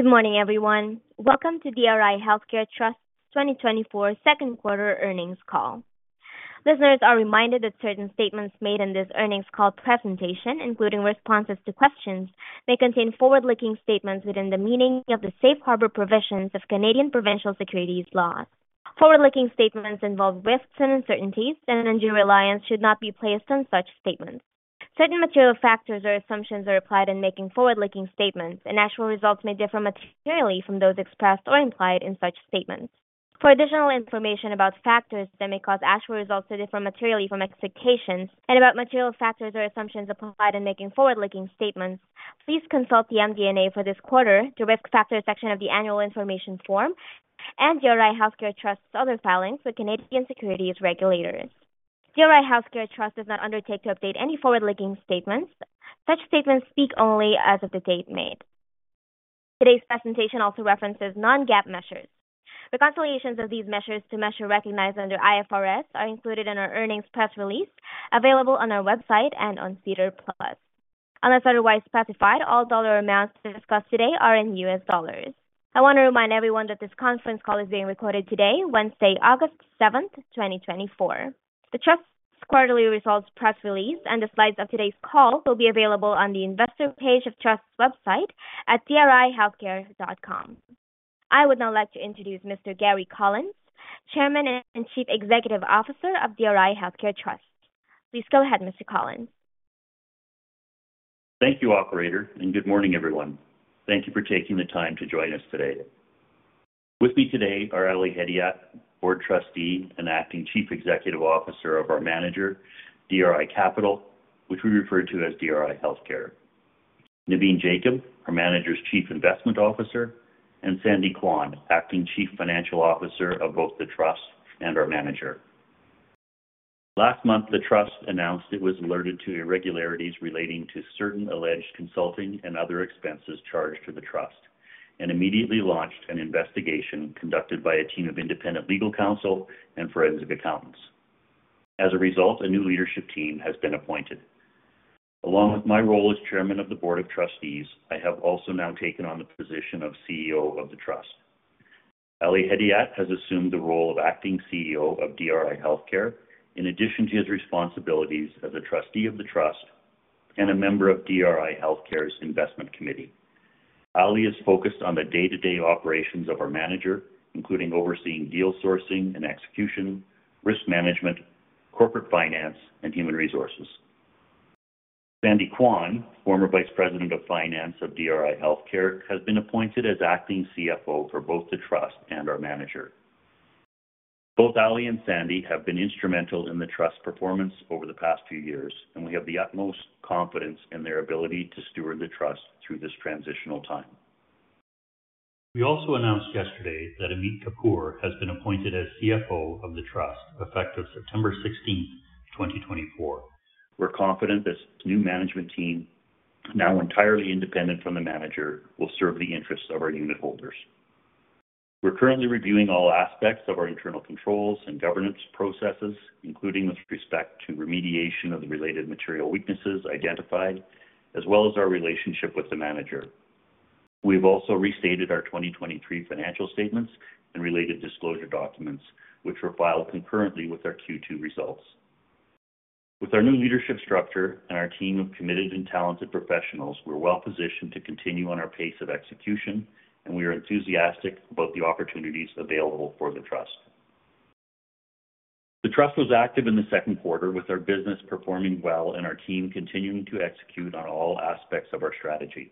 Good morning, everyone. Welcome to DRI Healthcare Trust's 2024 Second Quarter earnings call. Listeners are reminded that certain statements made in this earnings call presentation, including responses to questions, may contain forward-looking statements within the meaning of the safe harbor provisions of Canadian provincial securities laws. Forward-looking statements involve risks and uncertainties, and undue reliance should not be placed on such statements. Certain material factors or assumptions are applied in making forward-looking statements, and actual results may differ materially from those expressed or implied in such statements. For additional information about factors that may cause actual results to differ materially from expectations and about material factors or assumptions applied in making forward-looking statements, please consult the MD&A for this quarter, the Risk Factors section of the Annual Information Form, and DRI Healthcare Trust's other filings with Canadian securities regulators. DRI Healthcare Trust does not undertake to update any forward-looking statements. Such statements speak only as of the date made. Today's presentation also references non-GAAP measures. Reconciliations of these measures to measures recognized under IFRS are included in our earnings press release, available on our website and on SEDAR+. Unless otherwise specified, all dollar amounts discussed today are in US dollars. I want to remind everyone that this conference call is being recorded today, Wednesday, August 7, 2024. The Trust's quarterly results press release and the slides of today's call will be available on the investor page of the Trust's website at drihealthcare.com. I would now like to introduce Mr. Gary Collins, Chairman and Chief Executive Officer of DRI Healthcare Trust. Please go ahead, Mr. Collins. Thank you, operator, and good morning, everyone. Thank you for taking the time to join us today. With me today are Ali Hedayat, board trustee and acting Chief Executive Officer of our manager, DRI Capital, which we refer to as DRI Healthcare. Navin Jacob, our manager's Chief Investment Officer, and Sandy Kwan, acting Chief Financial Officer of both the Trust and our manager. Last month, the Trust announced it was alerted to irregularities relating to certain alleged consulting and other expenses charged to the Trust and immediately launched an investigation conducted by a team of independent legal counsel and forensic accountants. As a result, a new leadership team has been appointed. Along with my role as Chairman of the Board of Trustees, I have also now taken on the position of CEO of the Trust. Ali Hedayat has assumed the role of Acting CEO of DRI Healthcare, in addition to his responsibilities as a trustee of the Trust and a member of DRI Healthcare's investment committee. Ali is focused on the day-to-day operations of our manager, including overseeing deal sourcing and execution, risk management, corporate finance, and human resources. Sandy Kwan, former Vice President of Finance of DRI Healthcare, has been appointed as Acting CFO for both the Trust and our manager. Both Ali and Sandy have been instrumental in the Trust's performance over the past few years, and we have the utmost confidence in their ability to steward the Trust through this transitional time. We also announced yesterday that Amit Kapoor has been appointed as CFO of the Trust, effective September 16, 2024. We're confident this new management team, now entirely independent from the manager, will serve the interests of our unitholders. We're currently reviewing all aspects of our internal controls and governance processes, including with respect to remediation of the related material weaknesses identified, as well as our relationship with the manager. We've also restated our 2023 financial statements and related disclosure documents, which were filed concurrently with our Q2 results. With our new leadership structure and our team of committed and talented professionals, we're well positioned to continue on our pace of execution, and we are enthusiastic about the opportunities available for the Trust. The Trust was active in the second quarter, with our business performing well and our team continuing to execute on all aspects of our strategy.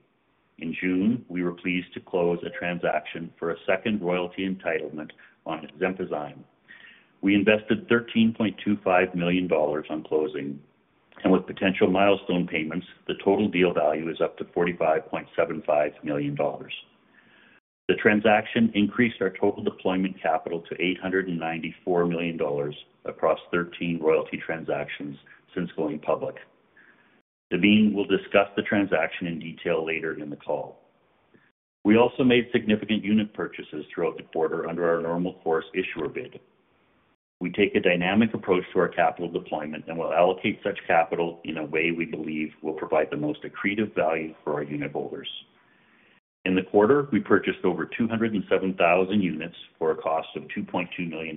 In June, we were pleased to close a transaction for a second royalty entitlement on Xenpozyme. We invested $13.25 million on closing, and with potential milestone payments, the total deal value is up to $45.75 million. The transaction increased our total deployment capital to $894 million across 13 royalty transactions since going public. Navin will discuss the transaction in detail later in the call. We also made significant unit purchases throughout the quarter under our normal course issuer bid. We take a dynamic approach to our capital deployment and will allocate such capital in a way we believe will provide the most accretive value for our unitholders. In the quarter, we purchased over 207,000 units for a cost of $2.2 million.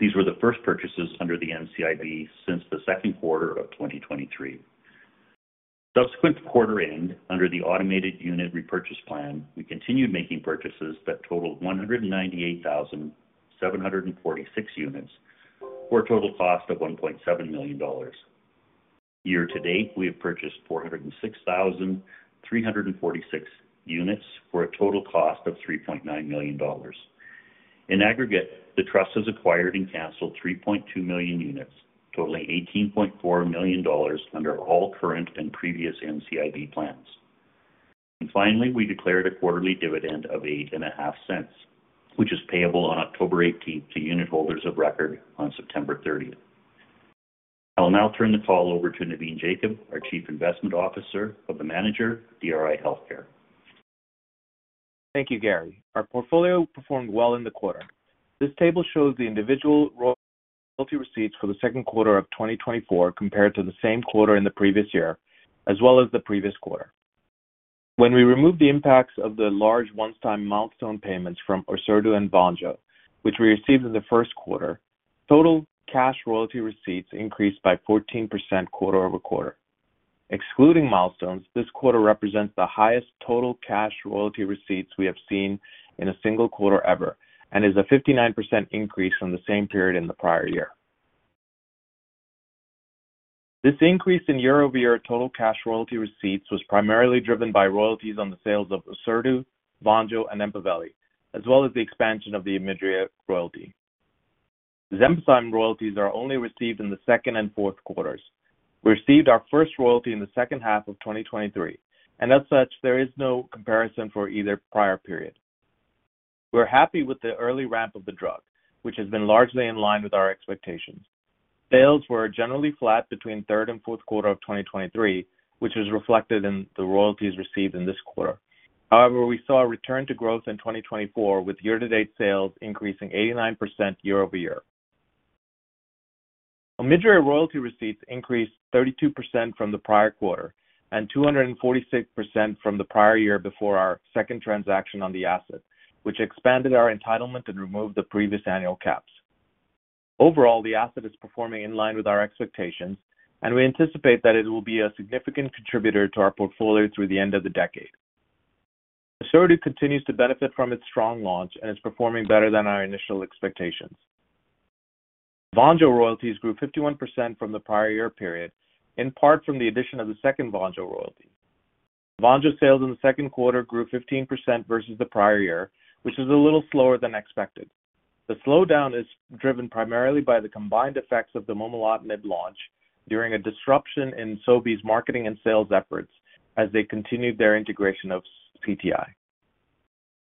These were the first purchases under the NCIB since the second quarter of 2023. Subsequent to quarter end, under the automated unit repurchase plan, we continued making purchases that totaled 198,746 units, for a total cost of $1.7 million. Year to date, we have purchased 406,346 units for a total cost of $3.9 million. In aggregate, the Trust has acquired and canceled 3.2 million units, totaling $18.4 million under all current and previous NCIB plans. Finally, we declared a quarterly dividend of $0.085, which is payable on October 18 to unitholders of record on September 13. I will now turn the call over to Navin Jacob, our Chief Investment Officer of the manager, DRI Healthcare. Thank you, Gary. Our portfolio performed well in the quarter. This table shows the individual royalty receipts for the second quarter of 2024, compared to the same quarter in the previous year, as well as the previous quarter. When we remove the impacts of the large one-time milestone payments from Orserdu and Vonjo, which we received in the first quarter, total cash royalty receipts increased by 14% quarter-over-quarter. Excluding milestones, this quarter represents the highest total cash royalty receipts we have seen in a single quarter ever, and is a 59% increase from the same period in the prior year. This increase in year-over-year total cash royalty receipts was primarily driven by royalties on the sales of Orserdu, Vonjo, and Empaveli, as well as the expansion of the Omidria royalty. Zemplar royalties are only received in the second and fourth quarters. We received our first royalty in the second half of 2023, and as such, there is no comparison for either prior period. We're happy with the early ramp of the drug, which has been largely in line with our expectations. Sales were generally flat between third and fourth quarter of 2023, which was reflected in the royalties received in this quarter. However, we saw a return to growth in 2024, with year-to-date sales increasing 89% year over year. Omidria royalty receipts increased 32% from the prior quarter, and 246% from the prior year before our second transaction on the asset, which expanded our entitlement and removed the previous annual caps. Overall, the asset is performing in line with our expectations, and we anticipate that it will be a significant contributor to our portfolio through the end of the decade. Orserdu continues to benefit from its strong launch and is performing better than our initial expectations. Vonjo royalties grew 51% from the prior year period, in part from the addition of the second Vonjo royalty. Vonjo sales in the second quarter grew 15% versus the prior year, which is a little slower than expected. The slowdown is driven primarily by the combined effects of the momelotinib launch during a disruption in Sobi's marketing and sales efforts as they continued their integration of CTI.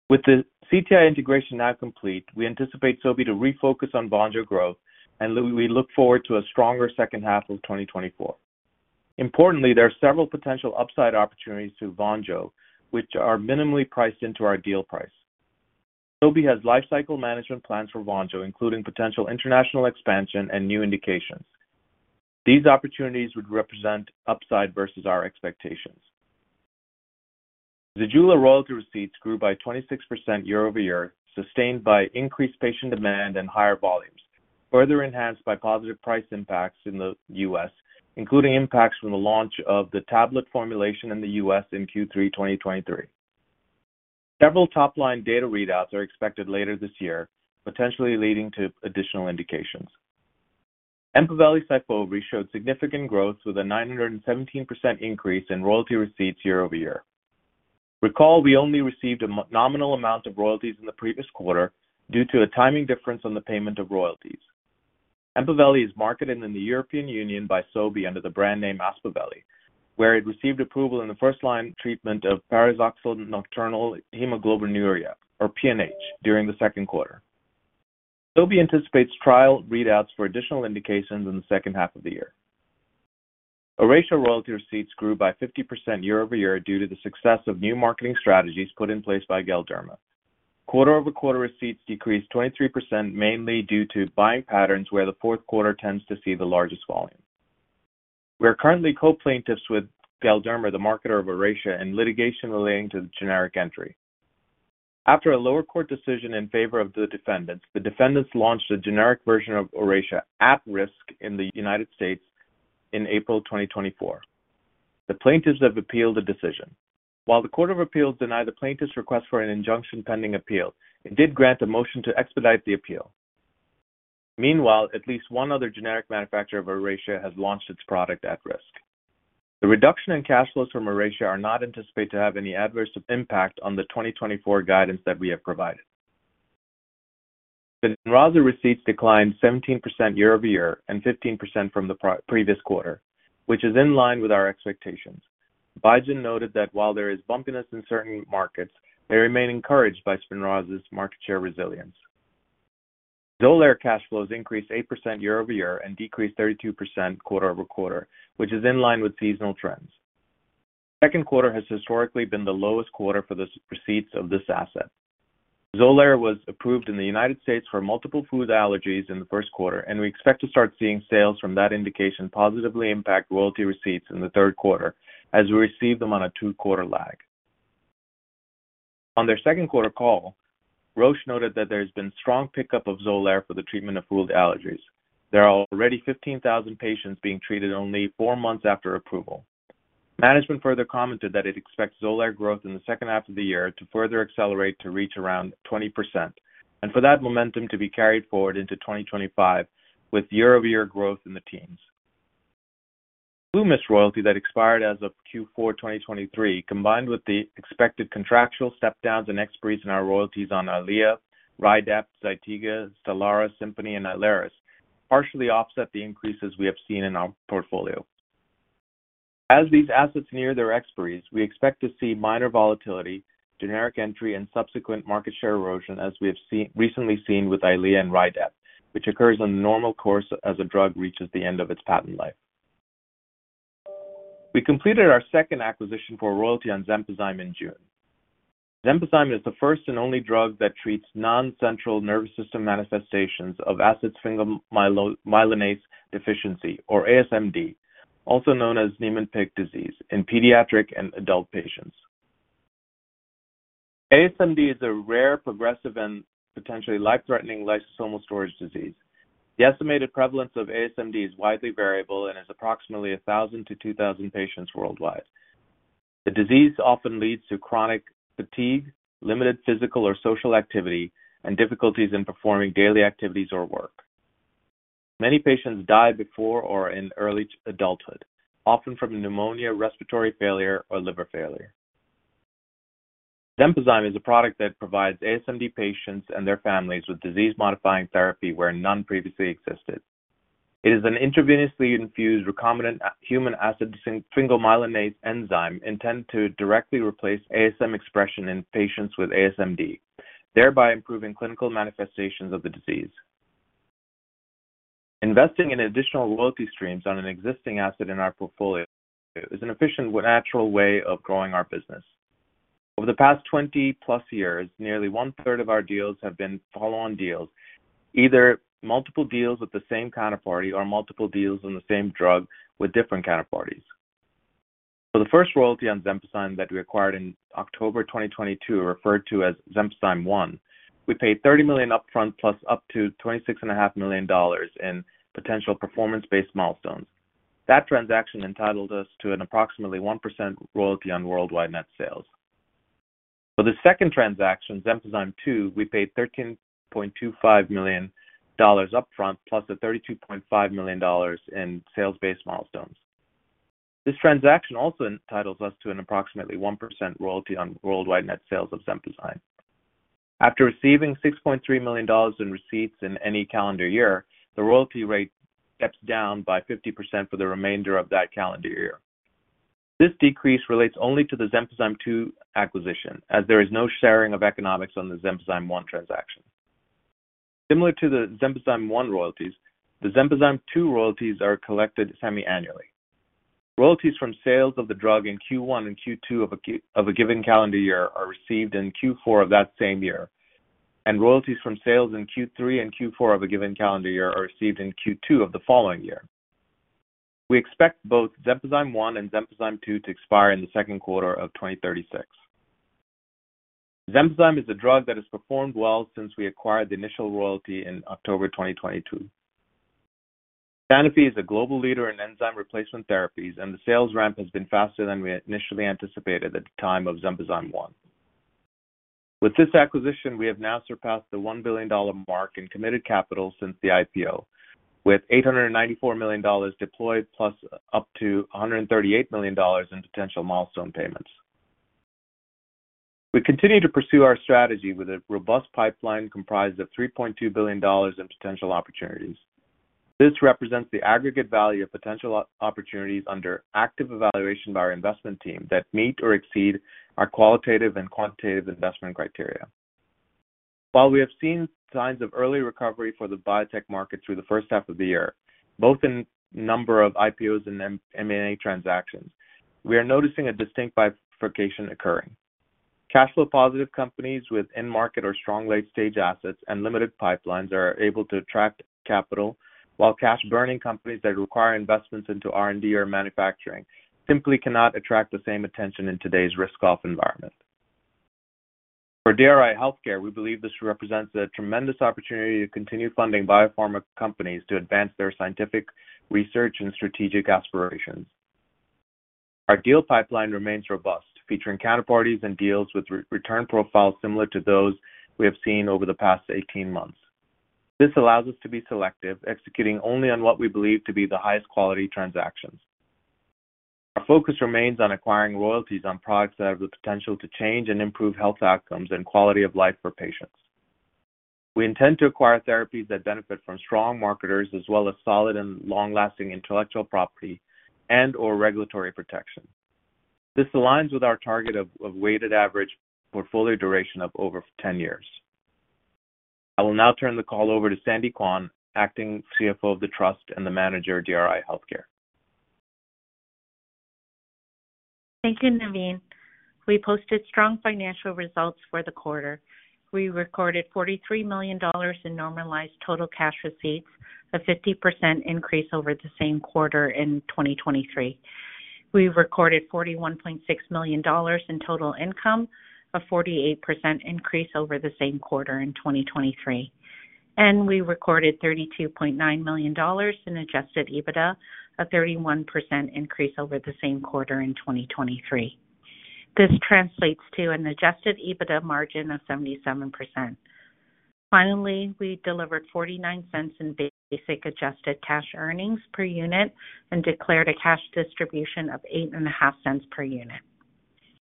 With the CTI integration now complete, we anticipate Sobi to refocus on Vonjo growth, and we look forward to a stronger second half of 2024. Importantly, there are several potential upside opportunities to Vonjo, which are minimally priced into our deal price. Sobi has life cycle management plans for Vonjo, including potential international expansion and new indications. These opportunities would represent upside versus our expectations. Zejula royalty receipts grew by 26% year-over-year, sustained by increased patient demand and higher volumes, further enhanced by positive price impacts in the U.S., including impacts from the launch of the tablet formulation in the U.S. in Q3-2023. Several top-line data readouts are expected later this year, potentially leading to additional indications. Empaveli, Syfovre showed significant growth, with a 917% increase in royalty receipts year-over-year. Recall, we only received a nominal amount of royalties in the previous quarter due to a timing difference on the payment of royalties. Empaveli is marketed in the European Union by Sobi under the brand name Aspaveli, where it received approval in the first-line treatment of paroxysmal nocturnal hemoglobinuria, or PNH, during the second quarter. Sobi anticipates trial readouts for additional indications in the second half of the year. Oracea royalty receipts grew by 50% year-over-year due to the success of new marketing strategies put in place by Galderma. Quarter-over-quarter receipts decreased 23%, mainly due to buying patterns, where the fourth quarter tends to see the largest volume. We are currently co-plaintiffs with Galderma, the marketer of Oracea, and litigation relating to the generic entry. After a lower court decision in favor of the defendants, the defendants launched a generic version of Oracea at risk in the United States in April 2024. The plaintiffs have appealed the decision. While the Court of Appeals denied the plaintiff's request for an injunction pending appeal, it did grant a motion to expedite the appeal. Meanwhile, at least one other generic manufacturer of Oracea has launched its product at risk. The reduction in cash flows from Oracea are not anticipated to have any adverse impact on the 2024 guidance that we have provided. The Spinraza receipts declined 17% year over year and 15% from the previous quarter, which is in line with our expectations. Biogen noted that while there is bumpiness in certain markets, they remain encouraged by Spinraza's market share resilience. Xolair cash flows increased 8% year over year and decreased 32% quarter over quarter, which is in line with seasonal trends. Second quarter has historically been the lowest quarter for the receipts of this asset. Xolair was approved in the United States for multiple food allergies in the first quarter, and we expect to start seeing sales from that indication positively impact royalty receipts in the third quarter, as we receive them on a two-quarter lag. On their second quarter call, Roche noted that there's been strong pickup of Xolair for the treatment of food allergies. There are already 15,000 patients being treated only four months after approval. Management further commented that it expects Xolair growth in the second half of the year to further accelerate to reach around 20%, and for that momentum to be carried forward into 2025, with year-over-year growth in the teens. Lumizyme royalty that expired as of Q4-2023, combined with the expected contractual step downs and expiries in our royalties on Eylea, Rydapt, Zytiga, Stelara, Simponi, and Ilaris, partially offset the increases we have seen in our portfolio. As these assets near their expiries, we expect to see minor volatility, generic entry, and subsequent market share erosion, as we have seen, recently seen with Eylea and Rydapt, which occurs on the normal course as a drug reaches the end of its patent life. We completed our second acquisition for royalty on Xenpozyme in June. Xenpozyme is the first and only drug that treats non-central nervous system manifestations of acid sphingomyelinase deficiency, or ASMD, also known as Niemann-Pick disease, in pediatric and adult patients. ASMD is a rare, progressive, and potentially life-threatening lysosomal storage disease. The estimated prevalence of ASMD is widely variable and is approximately 1,000-2,000 patients worldwide. The disease often leads to chronic fatigue, limited physical or social activity, and difficulties in performing daily activities or work. Many patients die before or in early adulthood, often from pneumonia, respiratory failure, or liver failure. Xenpozyme is a product that provides ASMD patients and their families with disease-modifying therapy where none previously existed. It is an intravenously infused recombinant human acid sphingomyelinase enzyme intended to directly replace ASM expression in patients with ASMD, thereby improving clinical manifestations of the disease. Investing in additional royalty streams on an existing asset in our portfolio is an efficient, natural way of growing our business. Over the past 20+ years, nearly one-third of our deals have been follow-on deals, either multiple deals with the same counterparty or multiple deals on the same drug with different counterparties. For the first royalty on Xenpozyme that we acquired in October 2022, referred to as Xenpozyme One, we paid $30 million upfront, plus up to $26.5 million in potential performance-based milestones. That transaction entitled us to an approximately 1% royalty on worldwide net sales. For the second transaction, Xenpozyme Two, we paid $13.25 million upfront, plus $32.5 million in sales-based milestones. This transaction also entitles us to an approximately 1% royalty on worldwide net sales of Xenpozyme. After receiving $6.3 million in receipts in any calendar year, the royalty rate steps down by 50% for the remainder of that calendar year. This decrease relates only to the Xenpozyme Two acquisition, as there is no sharing of economics on the Xenpozyme One transaction. Similar to the Xenpozyme One royalties, the Xenpozyme Two royalties are collected semi-annually. Royalties from sales of the drug in Q1 and Q2 of a given calendar year are received in Q4 of that same year, and royalties from sales in Q3 and Q4 of a given calendar year are received in Q2 of the following year. We expect both Xenpozyme One and Xenpozyme Two to expire in the second quarter of 2036. Xenpozyme is a drug that has performed well since we acquired the initial royalty in October 2022. Sanofi is a global leader in enzyme replacement therapies, and the sales ramp has been faster than we initially anticipated at the time of Xenpozyme One. With this acquisition, we have now surpassed the $1 billion mark in committed capital since the IPO, with $894 million deployed, plus up to $138 million in potential milestone payments. We continue to pursue our strategy with a robust pipeline comprised of $3.2 billion in potential opportunities. This represents the aggregate value of potential opportunities under active evaluation by our investment team that meet or exceed our qualitative and quantitative investment criteria. While we have seen signs of early recovery for the biotech market through the first half of the year, both in number of IPOs and M&A transactions, we are noticing a distinct bifurcation occurring. Cash flow positive companies with end market or strong late-stage assets and limited pipelines are able to attract capital, while cash-burning companies that require investments into R&D or manufacturing simply cannot attract the same attention in today's risk-off environment. For DRI Healthcare, we believe this represents a tremendous opportunity to continue funding biopharma companies to advance their scientific research and strategic aspirations. Our deal pipeline remains robust, featuring counterparties and deals with return profiles similar to those we have seen over the past 18 months. This allows us to be selective, executing only on what we believe to be the highest quality transactions. Our focus remains on acquiring royalties on products that have the potential to change and improve health outcomes and quality of life for patients. We intend to acquire therapies that benefit from strong marketers, as well as solid and long-lasting intellectual property and/or regulatory protection. This aligns with our target of weighted average portfolio duration of over 10 years. I will now turn the call over to Sandy Kwan, Acting CFO of the Trust and the Manager at DRI Healthcare. Thank you, Navin. We posted strong financial results for the quarter. We recorded $43 million in normalized total cash receipts, a 50% increase over the same quarter in 2023. We recorded $41.6 million in total income, a 48% increase over the same quarter in 2023, and we recorded $32.9 million in adjusted EBITDA, a 31% increase over the same quarter in 2023. This translates to an adjusted EBITDA margin of 77%. Finally, we delivered $0.49 in basic adjusted cash earnings per unit and declared a cash distribution of $0.085 per unit.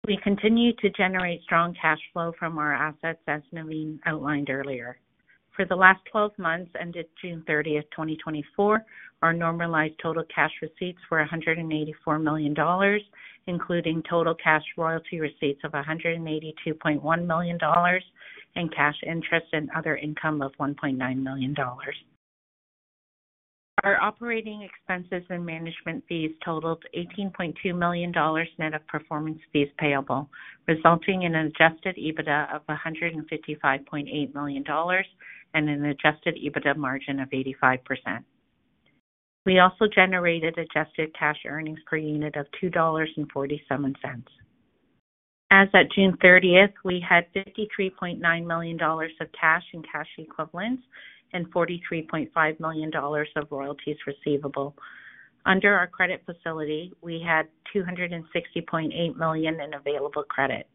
We continue to generate strong cash flow from our assets, as Navin outlined earlier. For the last 12 months, ended June 30, 2024, our normalized total cash receipts were $184 million, including total cash royalty receipts of $182.1 million and cash interest and other income of $1.9 million. Our operating expenses and management fees totaled $18.2 million net of performance fees payable, resulting in an adjusted EBITDA of $155.8 million and an adjusted EBITDA margin of 85%. We also generated adjusted cash earnings per unit of $2.47. As at June 30, we had $53.9 million of cash and cash equivalents and $43.5 million of royalties receivable. Under our credit facility, we had $260.8 million in available credit.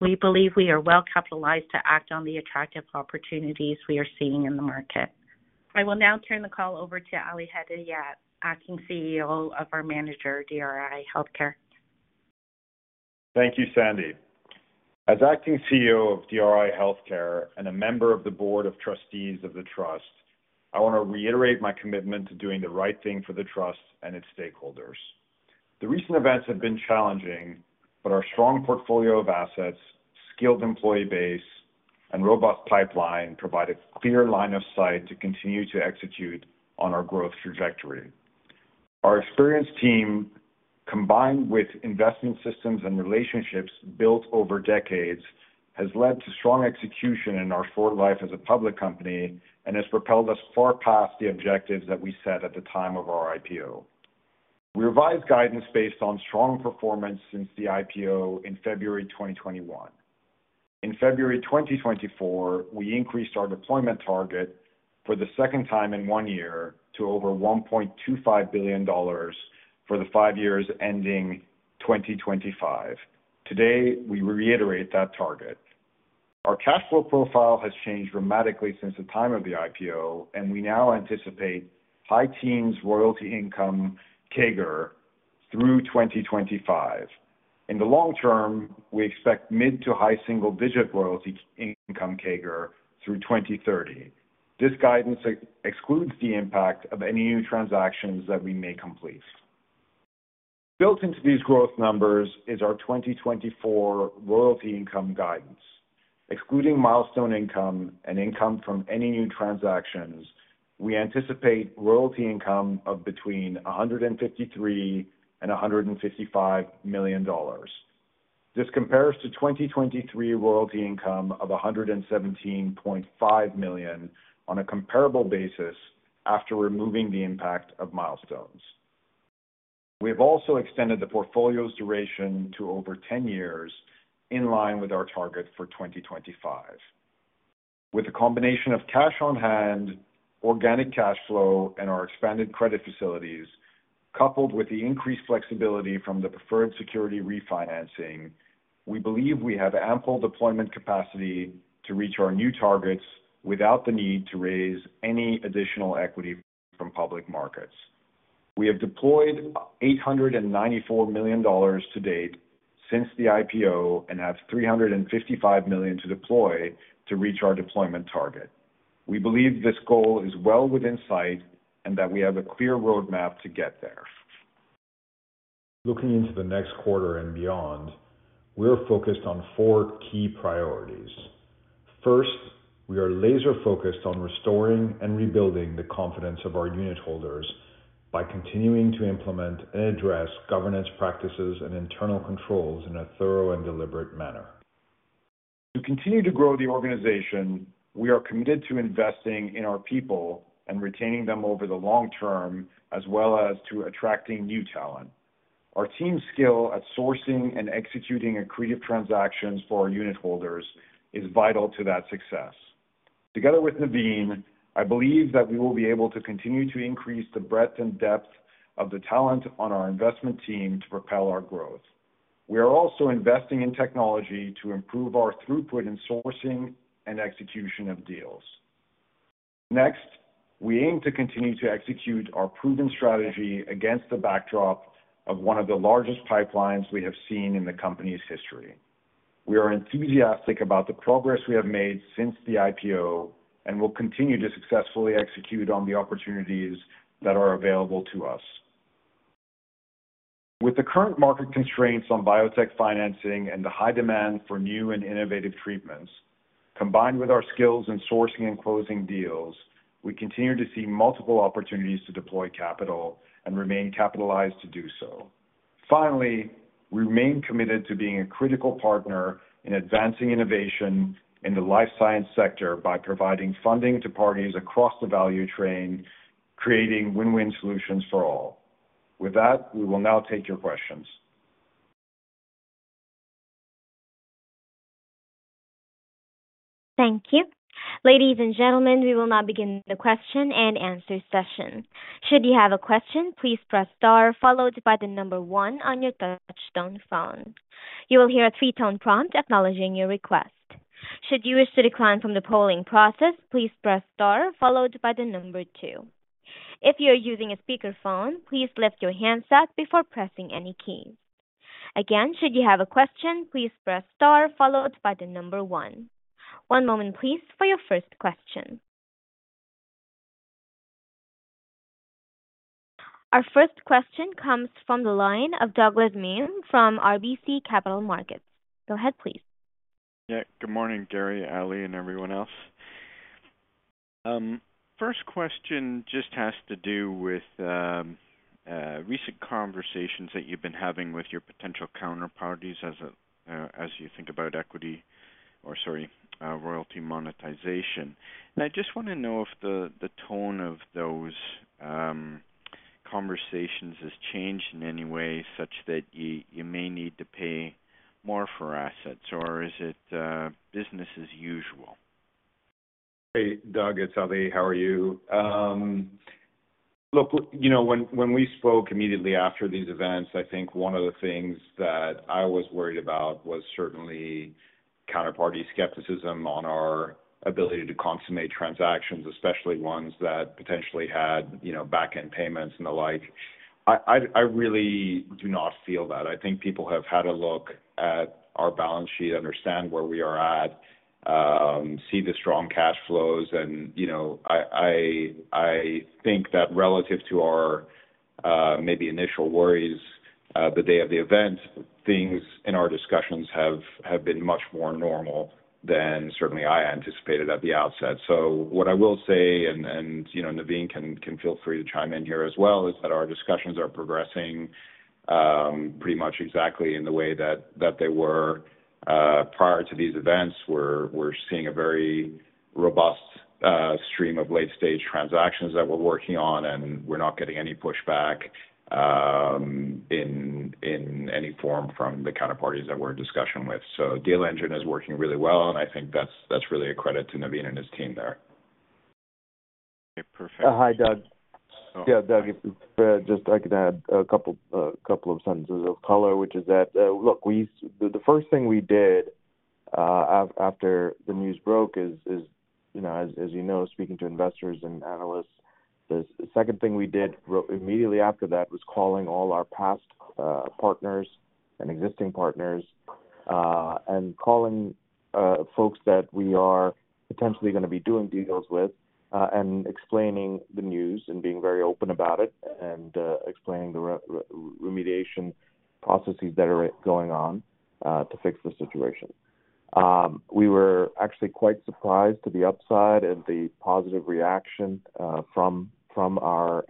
We believe we are well capitalized to act on the attractive opportunities we are seeing in the market. I will now turn the call over to Ali Hedayat, Acting CEO of our manager, DRI Healthcare. Thank you, Sandy. As Acting CEO of DRI Healthcare and a member of the Board of Trustees of the Trust, I want to reiterate my commitment to doing the right thing for the trust and its stakeholders. The recent events have been challenging, but our strong portfolio of assets, skilled employee base, and robust pipeline provide a clear line of sight to continue to execute on our growth trajectory. Our experienced team, combined with investment systems and relationships built over decades, has led to strong execution in our short life as a public company and has propelled us far past the objectives that we set at the time of our IPO. We revised guidance based on strong performance since the IPO in February 2021. In February 2024, we increased our deployment target for the second time in 1 year to over $1.25 billion for the five years ending 2025. Today, we reiterate that target. Our cash flow profile has changed dramatically since the time of the IPO, and we now anticipate high teens royalty income CAGR through 2025. In the long term, we expect mid to high single-digit royalty income CAGR through 2030. This guidance excludes the impact of any new transactions that we may complete. Built into these growth numbers is our 2024 royalty income guidance. Excluding milestone income and income from any new transactions, we anticipate royalty income of between $153 million and $155 million. This compares to 2023 royalty income of $117.5 million on a comparable basis after removing the impact of milestones. We have also extended the portfolio's duration to over 10 years, in line with our target for 2025. With a combination of cash on hand, organic cash flow, and our expanded credit facilities, coupled with the increased flexibility from the preferred security refinancing, we believe we have ample deployment capacity to reach our new targets without the need to raise any additional equity from public markets. We have deployed $894 million to date since the IPO and have $355 million to deploy to reach our deployment target. We believe this goal is well within sight and that we have a clear roadmap to get there. Looking into the next quarter and beyond, we are focused on four key priorities. First, we are laser-focused on restoring and rebuilding the confidence of our unitholders by continuing to implement and address governance practices and internal controls in a thorough and deliberate manner. To continue to grow the organization, we are committed to investing in our people and retaining them over the long term, as well as to attracting new talent. Our team's skill at sourcing and executing accretive transactions for our unitholders is vital to that success. Together with Navin, I believe that we will be able to continue to increase the breadth and depth of the talent on our investment team to propel our growth. We are also investing in technology to improve our throughput in sourcing and execution of deals. Next, we aim to continue to execute our proven strategy against the backdrop of one of the largest pipelines we have seen in the company's history. We are enthusiastic about the progress we have made since the IPO and will continue to successfully execute on the opportunities that are available to us. With the current market constraints on biotech financing and the high demand for new and innovative treatments, combined with our skills in sourcing and closing deals, we continue to see multiple opportunities to deploy capital and remain capitalized to do so. Finally, we remain committed to being a critical partner in advancing innovation in the life science sector by providing funding to parties across the value chain, creating win-win solutions for all. With that, we will now take your questions. Thank you. Ladies and gentlemen, we will now begin the question-and-answer session. Should you have a question, please press star followed by the number one on your touchtone phone. You will hear a three-tone prompt acknowledging your request. Should you wish to decline from the polling process, please press star followed by the number two. If you are using a speakerphone, please lift your handset before pressing any key. Again, should you have a question, please press star followed by the number one. One moment, please, for your first question.... Our first question comes from the line of Doug Miehm from RBC Capital Markets. Go ahead, please. Yeah. Good morning, Gary, Ali, and everyone else. First question just has to do with recent conversations that you've been having with your potential counterparties as you think about equity, or sorry, royalty monetization. I just want to know if the tone of those conversations has changed in any way such that you may need to pay more for assets, or is it business as usual? Hey, Doug, it's Ali. How are you? Look, you know, when we spoke immediately after these events, I think one of the things that I was worried about was certainly counterparty skepticism on our ability to consummate transactions, especially ones that potentially had, you know, back-end payments and the like. I really do not feel that. I think people have had a look at our balance sheet, understand where we are at, see the strong cash flows. And, you know, I think that relative to our maybe initial worries, the day of the event, things in our discussions have been much more normal than certainly I anticipated at the outset. So what I will say, and you know, Naveen can feel free to chime in here as well, is that our discussions are progressing pretty much exactly in the way that they were prior to these events. We're seeing a very robust stream of late-stage transactions that we're working on, and we're not getting any pushback in any form from the counterparties that we're in discussion with. So deal engine is working really well, and I think that's really a credit to Naveen and his team there. Okay, perfect. Hi, Doug. Yeah, Doug, just I could add a couple, couple of sentences of color, which is that, look, we, the first thing we did, after the news broke is, you know, as you know, speaking to investors and analysts. The second thing we did immediately after that was calling all our past, partners and existing partners, and calling, folks that we are potentially gonna be doing deals with, and explaining the news and being very open about it and, explaining the remediation processes that are going on, to fix the situation. We were actually quite surprised to the upside and the positive reaction, from our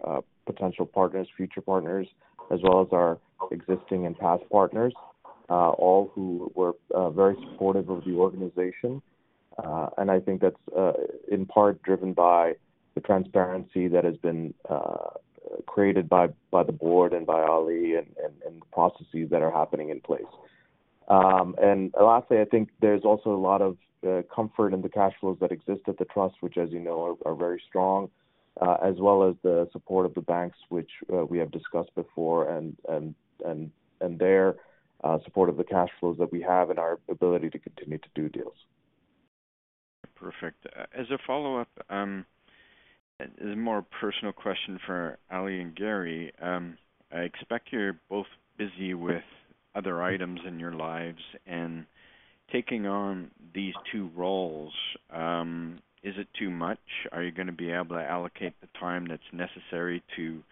potential partners, future partners, as well as our existing and past partners, all who were very supportive of the organization. And I think that's in part driven by the transparency that has been created by the board and by Ali and the processes that are happening in place. And lastly, I think there's also a lot of comfort in the cash flows that exist at the trust, which, as you know, are very strong, as well as the support of the banks, which we have discussed before, and their support of the cash flows that we have and our ability to continue to do deals. Perfect. As a follow-up, a more personal question for Ali and Gary. I expect you're both busy with other items in your lives and taking on these two roles, is it too much? Are you gonna be able to allocate the time that's necessary to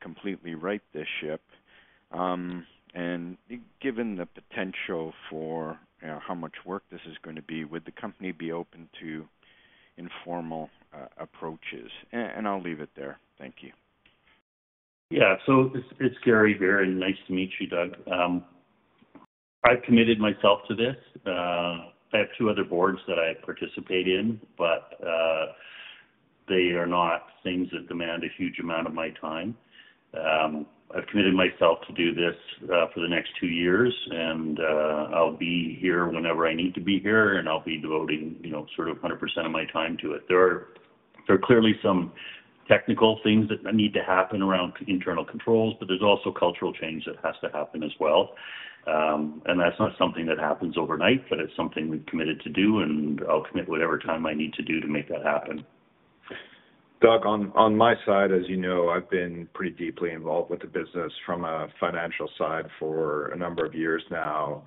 completely right this ship? And given the potential for how much work this is going to be, would the company be open to informal approaches? And I'll leave it there. Thank you. Yeah. So it's Gary Collins. Nice to meet you, Doug. I've committed myself to this. I have two other boards that I participate in, but they are not things that demand a huge amount of my time. I've committed myself to do this, for the next two years, and I'll be here whenever I need to be here, and I'll be devoting, you know, sort of 100% of my time to it. There are clearly some technical things that need to happen around internal controls, but there's also cultural change that has to happen as well. And that's not something that happens overnight, but it's something we've committed to do, and I'll commit whatever time I need to do to make that happen. Doug, on my side, as you know, I've been pretty deeply involved with the business from a financial side for a number of years now.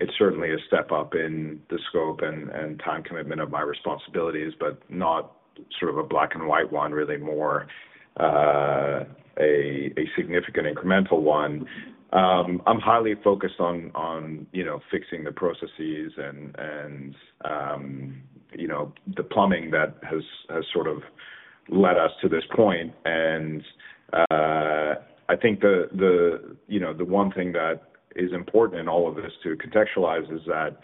It's certainly a step up in the scope and time commitment of my responsibilities, but not sort of a black-and-white one, really more a significant incremental one. I'm highly focused on, you know, fixing the processes and, you know, the plumbing that has sort of led us to this point. I think the, you know, the one thing that is important in all of this to contextualize is that,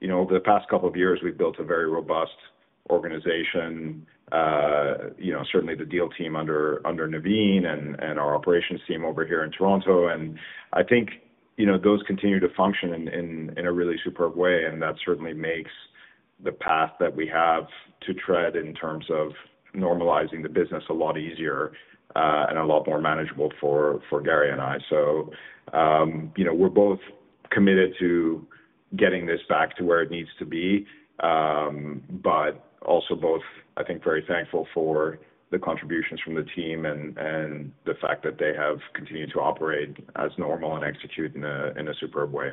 you know, over the past couple of years, we've built a very robust organization, you know, certainly the deal team under Naveen and our operations team over here in Toronto. I think, you know, those continue to function in a really superb way, and that certainly makes the path that we have to tread in terms of normalizing the business a lot easier and a lot more manageable for Gary and I. So, you know, we're both committed to getting this back to where it needs to be, but also both, I think, very thankful for the contributions from the team and the fact that they have continued to operate as normal and execute in a superb way.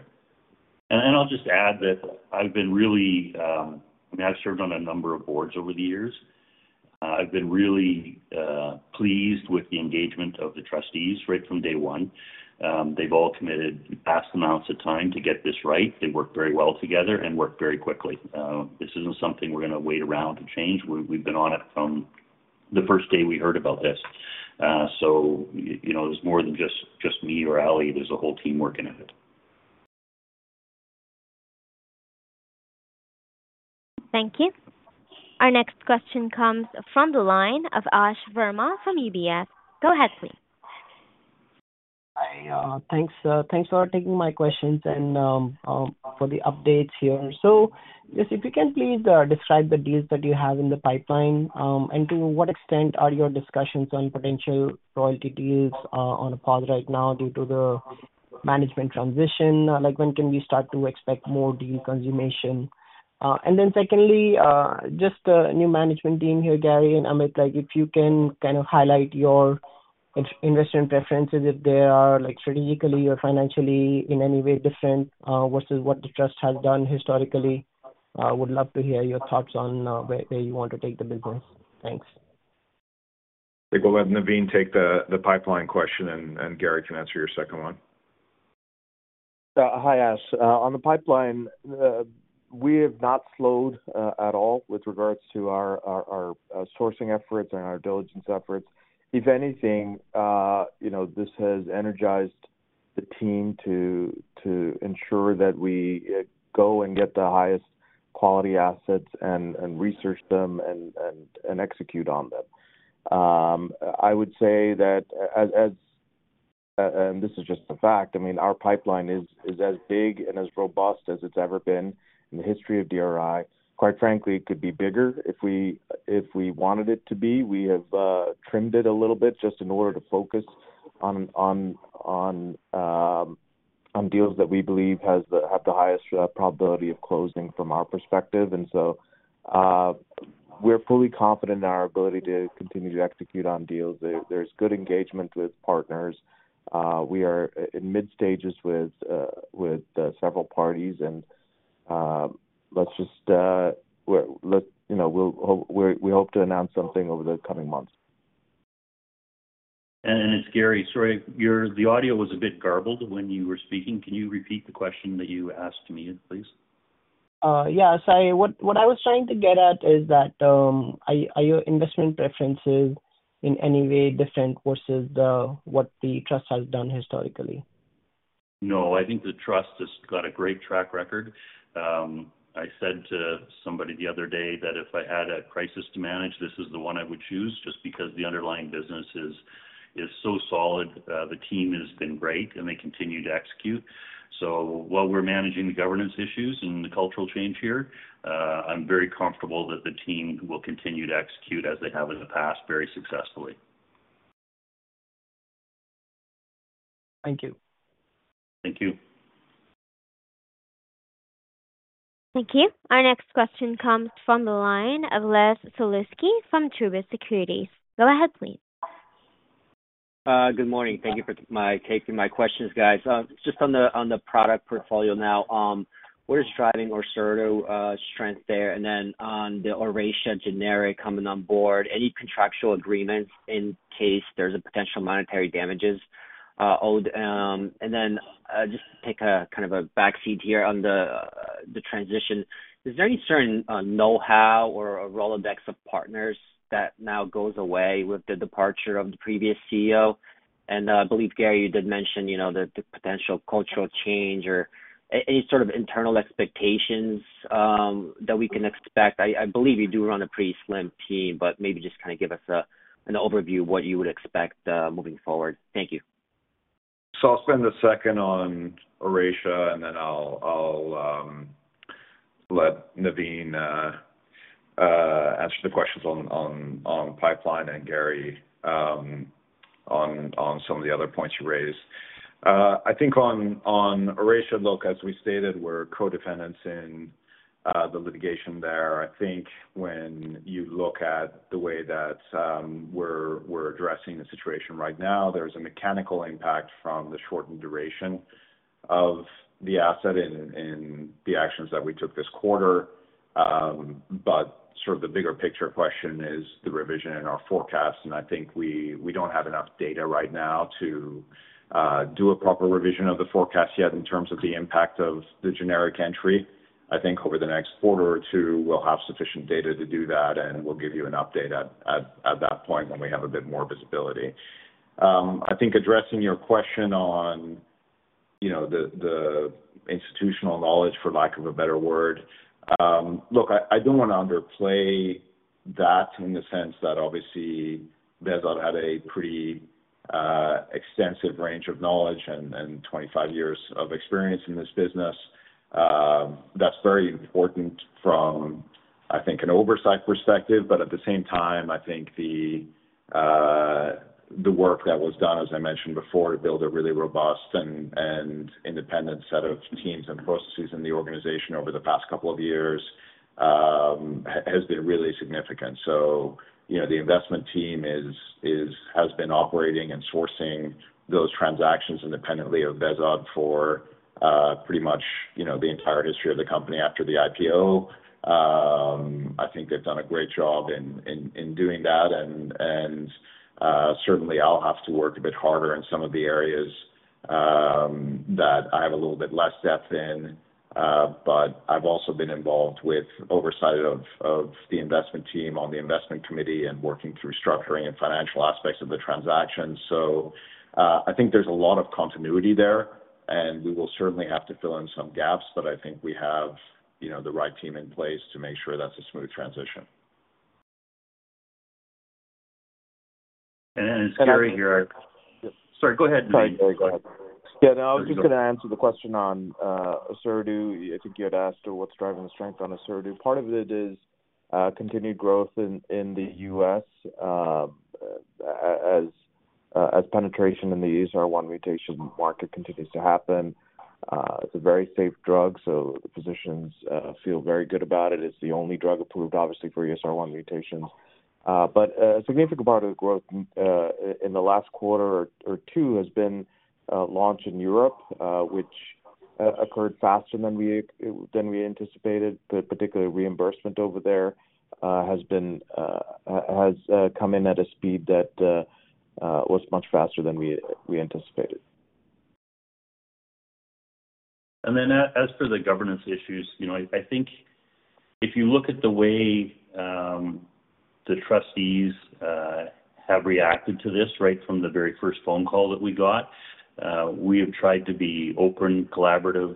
I'll just add that I've been really, I mean, I've served on a number of boards over the years. I've been really pleased with the engagement of the trustees right from day one. They've all committed vast amounts of time to get this right. They work very well together and work very quickly. This isn't something we're gonna wait around to change. We've been on it from the first day we heard about this. So, you know, it's more than just me or Ali, there's a whole team working on it. Thank you. Our next question comes from the line of Ash Verma from UBS. Go ahead, please. Thanks, thanks for taking my questions and for the updates here. So just if you can please describe the deals that you have in the pipeline, and to what extent are your discussions on potential royalty deals on pause right now due to the management transition? Like, when can we start to expect more deal consummation? And then secondly, just new management team here, Gary and Amit, like, if you can kind of highlight your investment preferences, if they are, like, strategically or financially in any way different versus what the trust has done historically. I would love to hear your thoughts on where you want to take the business. Thanks. I think we'll let Navin take the pipeline question, and Gary can answer your second one. Hi, Ash. On the pipeline, we have not slowed at all with regards to our sourcing efforts and our diligence efforts. If anything, you know, this has energized the team to ensure that we go and get the highest quality assets and execute on them. I would say that as and this is just a fact, I mean, our pipeline is as big and as robust as it's ever been in the history of DRI. Quite frankly, it could be bigger if we wanted it to be. We have trimmed it a little bit just in order to focus on deals that we believe have the highest probability of closing from our perspective. And so, we're fully confident in our ability to continue to execute on deals. There's good engagement with partners. We are in mid stages with several parties, and, let's just, you know, we hope to announce something over the coming months. And it's Gary. Sorry. Your audio was a bit garbled when you were speaking. Can you repeat the question that you asked me, please? Yeah, sorry. What I was trying to get at is that, are your investment preferences in any way different versus what the trust has done historically? No, I think the trust has got a great track record. I said to somebody the other day that if I had a crisis to manage, this is the one I would choose, just because the underlying business is so solid. The team has been great, and they continue to execute. So while we're managing the governance issues and the cultural change here, I'm very comfortable that the team will continue to execute as they have in the past, very successfully. Thank you. Thank you. Thank you. Our next question comes from the line of Les Sulewski from Truist Securities. Go ahead, please. Good morning. Thank you for taking my questions, guys. Just on the product portfolio now, what is driving Orserdu strength there? And then on the Oracea generic coming on board, any contractual agreements in case there's a potential monetary damages owed? And then, just take a backseat here on the transition. Is there any certain know-how or a Rolodex of partners that now goes away with the departure of the previous CEO? And, I believe, Gary, you did mention, you know, the potential cultural change or any sort of internal expectations that we can expect. I believe you do run a pretty slim team, but maybe just kind of give us an overview of what you would expect moving forward. Thank you. So I'll spend a second on Oracea, and then I'll let Navin answer the questions on pipeline, and Gary on some of the other points you raised. I think on Oracea, look, as we stated, we're co-defendants in the litigation there. I think when you look at the way that we're addressing the situation right now, there's a mechanical impact from the shortened duration of the asset and the actions that we took this quarter. But sort of the bigger picture question is the revision in our forecast, and I think we don't have enough data right now to do a proper revision of the forecast yet in terms of the impact of the generic entry. I think over the next quarter or two, we'll have sufficient data to do that, and we'll give you an update at that point when we have a bit more visibility. I think addressing your question on, you know, the institutional knowledge, for lack of a better word, look, I don't want to underplay that in the sense that obviously Behzad had a pretty extensive range of knowledge and 25 years of experience in this business. That's very important from, I think, an oversight perspective. But at the same time, I think the work that was done, as I mentioned before, to build a really robust and independent set of teams and processes in the organization over the past couple of years has been really significant. So, you know, the investment team has been operating and sourcing those transactions independently of Behzad for, pretty much, you know, the entire history of the company after the IPO. I think they've done a great job in doing that, and certainly I'll have to work a bit harder in some of the areas that I have a little bit less depth in. But I've also been involved with oversight of the investment team on the investment committee and working through structuring and financial aspects of the transaction. So, I think there's a lot of continuity there, and we will certainly have to fill in some gaps, but I think we have, you know, the right team in place to make sure that's a smooth transition. And Gary, sorry, go ahead, Naveen, go ahead. Yeah, no, I was just gonna answer the question on Orserdu. I think you had asked what's driving the strength on the Orserdu. Part of it is continued growth in the U.S., as penetration in the ESR1 mutation market continues to happen. It's a very safe drug, so the physicians feel very good about it. It's the only drug approved, obviously, for ESR1 mutations. But a significant part of the growth in the last quarter or two has been launched in Europe, which occurred faster than we anticipated. The particular reimbursement over there has come in at a speed that was much faster than we anticipated. And then as for the governance issues, you know, I think if you look at the way, the trustees have reacted to this, right from the very first phone call that we got, we have tried to be open, collaborative,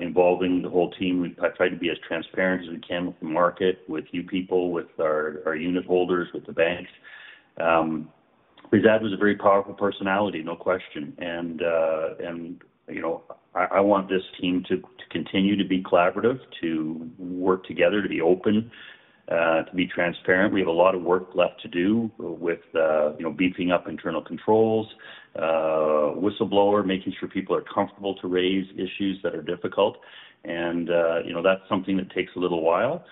involving the whole team. We've tried to be as transparent as we can with the market, with you people, with our, our unit holders, with the banks. Behzad was a very powerful personality, no question, and, and, you know, I, I want this team to continue to be collaborative, to work together, to be open, to be transparent. We have a lot of work left to do with, you know, beefing up internal controls, whistleblower, making sure people are comfortable to raise issues that are difficult. You know, that's something that takes a little while,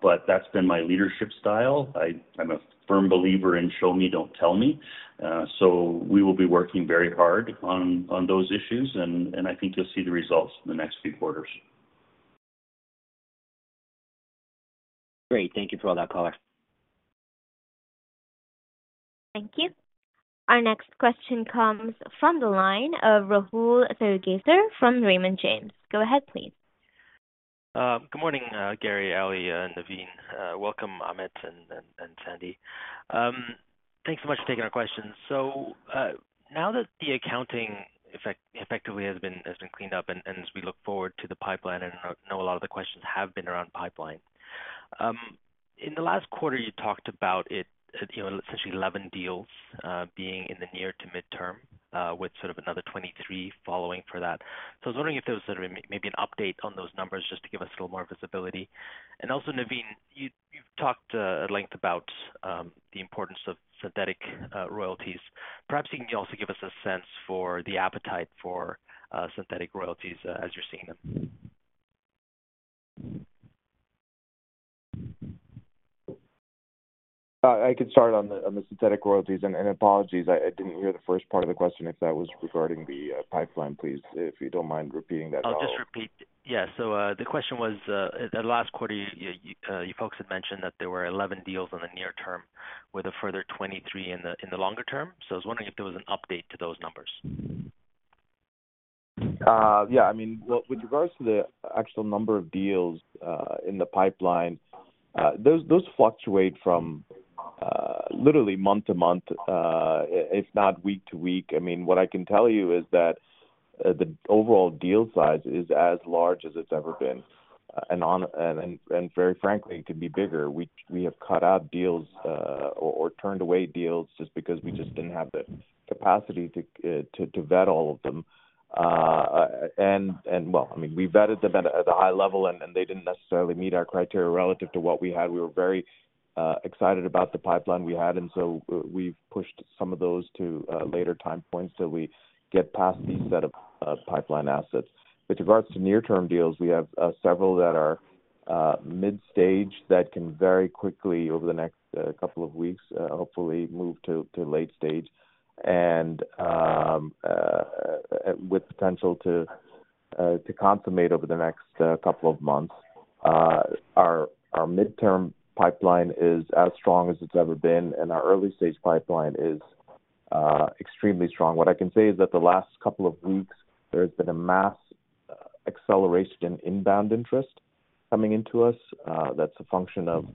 but that's been my leadership style. I'm a firm believer in show me, don't tell me. So we will be working very hard on, on those issues, and, and I think you'll see the results in the next few quarters. Great. Thank you for all that, caller. Thank you. Our next question comes from the line of Rahul Sarugaser from Raymond James. Go ahead, please. Good morning, Gary, Ali, and Navin. Welcome, Amit and Sandy. Thanks so much for taking our questions. So, now that the accounting effectively has been cleaned up, and as we look forward to the pipeline, and I know a lot of the questions have been around pipeline. In the last quarter, you talked about it, you know, essentially 11 deals being in the near to midterm, with sort of another 23 following for that. So I was wondering if there was sort of maybe an update on those numbers, just to give us a little more visibility. And also, Navin, you've talked at length about the importance of synthetic royalties. Perhaps you can also give us a sense for the appetite for synthetic royalties as you're seeing them. I can start on the synthetic royalties, and apologies, I didn't hear the first part of the question. If that was regarding the pipeline, please, if you don't mind repeating that at all. I'll just repeat. Yeah. So, the question was, at last quarter, you folks had mentioned that there were 11 deals in the near term with a further 23 in the longer term. So I was wondering if there was an update to those numbers? Yeah, I mean, well, with regards to the actual number of deals in the pipeline, those fluctuate from literally month to month, if not week to week. I mean, what I can tell you is that the overall deal size is as large as it's ever been. And very frankly, it could be bigger. We have cut out deals or turned away deals just because we just didn't have the capacity to vet all of them. Well, I mean, we vetted them at a high level, and they didn't necessarily meet our criteria relative to what we had. We were very excited about the pipeline we had, and so we've pushed some of those to later time points so we get past these set of pipeline assets. With regards to near-term deals, we have several that are mid-stage, that can very quickly, over the next couple of weeks, hopefully move to late stage, and with potential to consummate over the next couple of months. Our midterm pipeline is as strong as it's ever been, and our early-stage pipeline is extremely strong. What I can say is that the last couple of weeks, there's been a mass acceleration in inbound interest coming into us. That's a function of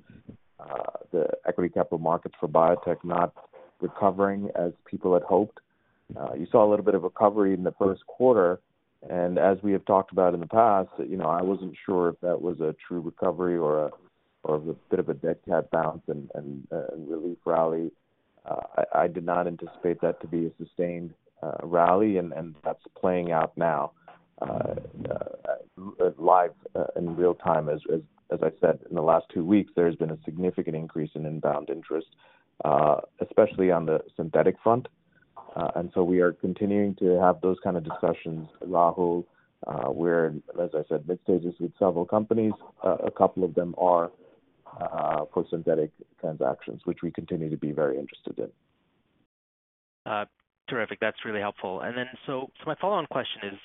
the equity capital markets for biotech not recovering as people had hoped. You saw a little bit of recovery in the first quarter, and as we have talked about in the past, you know, I wasn't sure if that was a true recovery or a bit of a dead cat bounce and relief rally. I did not anticipate that to be a sustained rally, and that's playing out now, live, in real time. As I said, in the last two weeks, there has been a significant increase in inbound interest, especially on the synthetic front. And so we are continuing to have those kind of discussions, Rahul. We're, as I said, mid stages with several companies. A couple of them are ... for synthetic transactions, which we continue to be very interested in. Terrific. That's really helpful. And then, so, so my follow-on question is,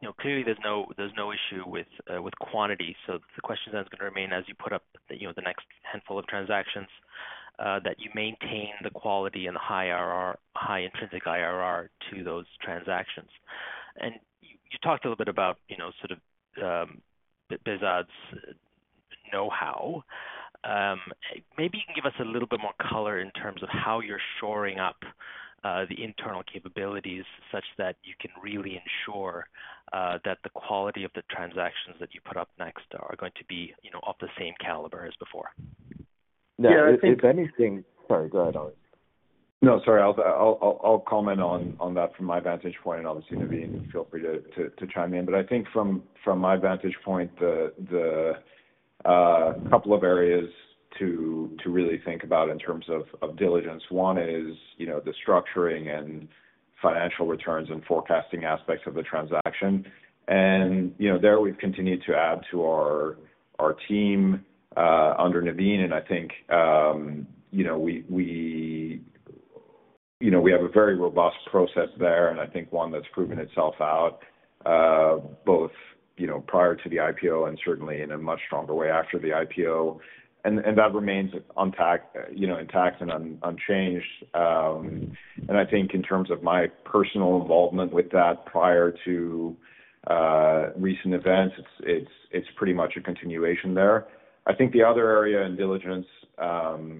you know, clearly there's no, there's no issue with, with quantity, so the question then is gonna remain as you put up, you know, the next handful of transactions, that you maintain the quality and high RR- high intrinsic IRR to those transactions. And you talked a little bit about, you know, sort of, Behzad's know-how. Maybe you can give us a little bit more color in terms of how you're shoring up, the internal capabilities, such that you can really ensure, that the quality of the transactions that you put up next are going to be, you know, of the same caliber as before. Yeah, I think- If anything. Sorry, go ahead, Ali. No, sorry. I'll comment on that from my vantage point, and obviously, Navin, feel free to chime in. But I think from my vantage point, the couple of areas to really think about in terms of diligence, one is, you know, the structuring and financial returns and forecasting aspects of the transaction. And, you know, there we've continued to add to our team under Naveen, and I think, you know, we have a very robust process there, and I think one that's proven itself out, both, you know, prior to the IPO and certainly in a much stronger way after the IPO. And that remains intact and unchanged. I think in terms of my personal involvement with that prior to recent events, it's pretty much a continuation there. I think the other area in diligence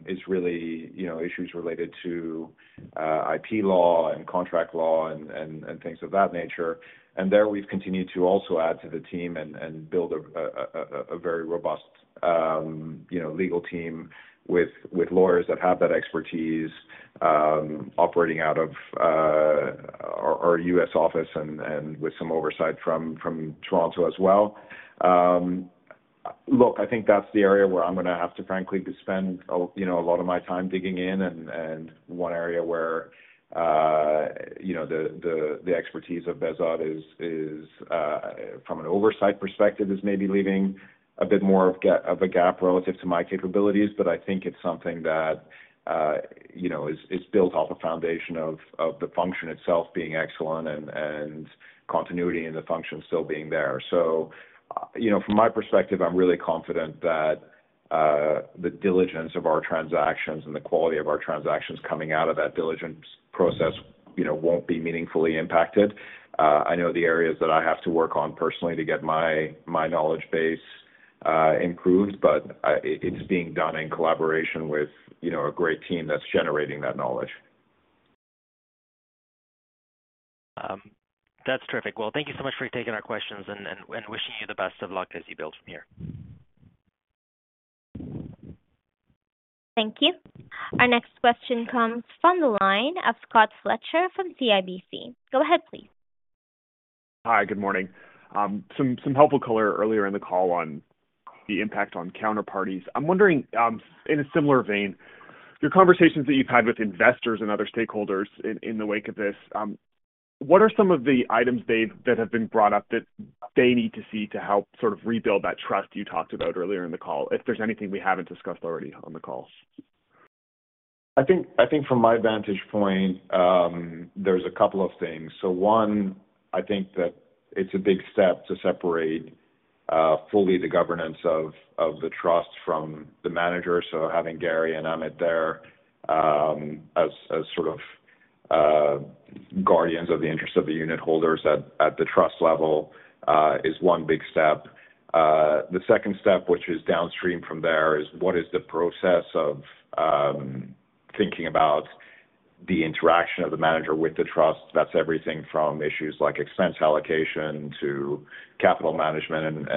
is really, you know, issues related to IP law and contract law and things of that nature. And there we've continued to also add to the team and build a very robust, you know, legal team with lawyers that have that expertise, operating out of our U.S. office and with some oversight from Toronto as well. Look, I think that's the area where I'm gonna have to frankly spend a, you know, a lot of my time digging in, and one area where, you know, the expertise of Behzad is, from an oversight perspective, maybe leaving a bit more of a gap relative to my capabilities. But I think it's something that, you know, is built off a foundation of the function itself being excellent and continuity and the function still being there. So, you know, from my perspective, I'm really confident that the diligence of our transactions and the quality of our transactions coming out of that diligence process, you know, won't be meaningfully impacted. I know the areas that I have to work on personally to get my, my knowledge base improved, but it's being done in collaboration with, you know, a great team that's generating that knowledge. That's terrific. Well, thank you so much for taking our questions, and wishing you the best of luck as you build from here. Thank you. Our next question comes from the line of Scott Fletcher from CIBC. Go ahead, please. Hi, good morning. Some helpful color earlier in the call on the impact on counterparties. I'm wondering, in a similar vein, your conversations that you've had with investors and other stakeholders in the wake of this, what are some of the items they've that have been brought up that they need to see to help sort of rebuild that trust you talked about earlier in the call? If there's anything we haven't discussed already on the call. I think, I think from my vantage point, there's a couple of things. So one, I think that it's a big step to separate fully the governance of the trust from the manager. So having Gary and Amit there, as sort of guardians of the interest of the unitholders at the trust level, is one big step. The second step, which is downstream from there, is what is the process of thinking about the interaction of the manager with the trust? That's everything from issues like expense allocation to capital management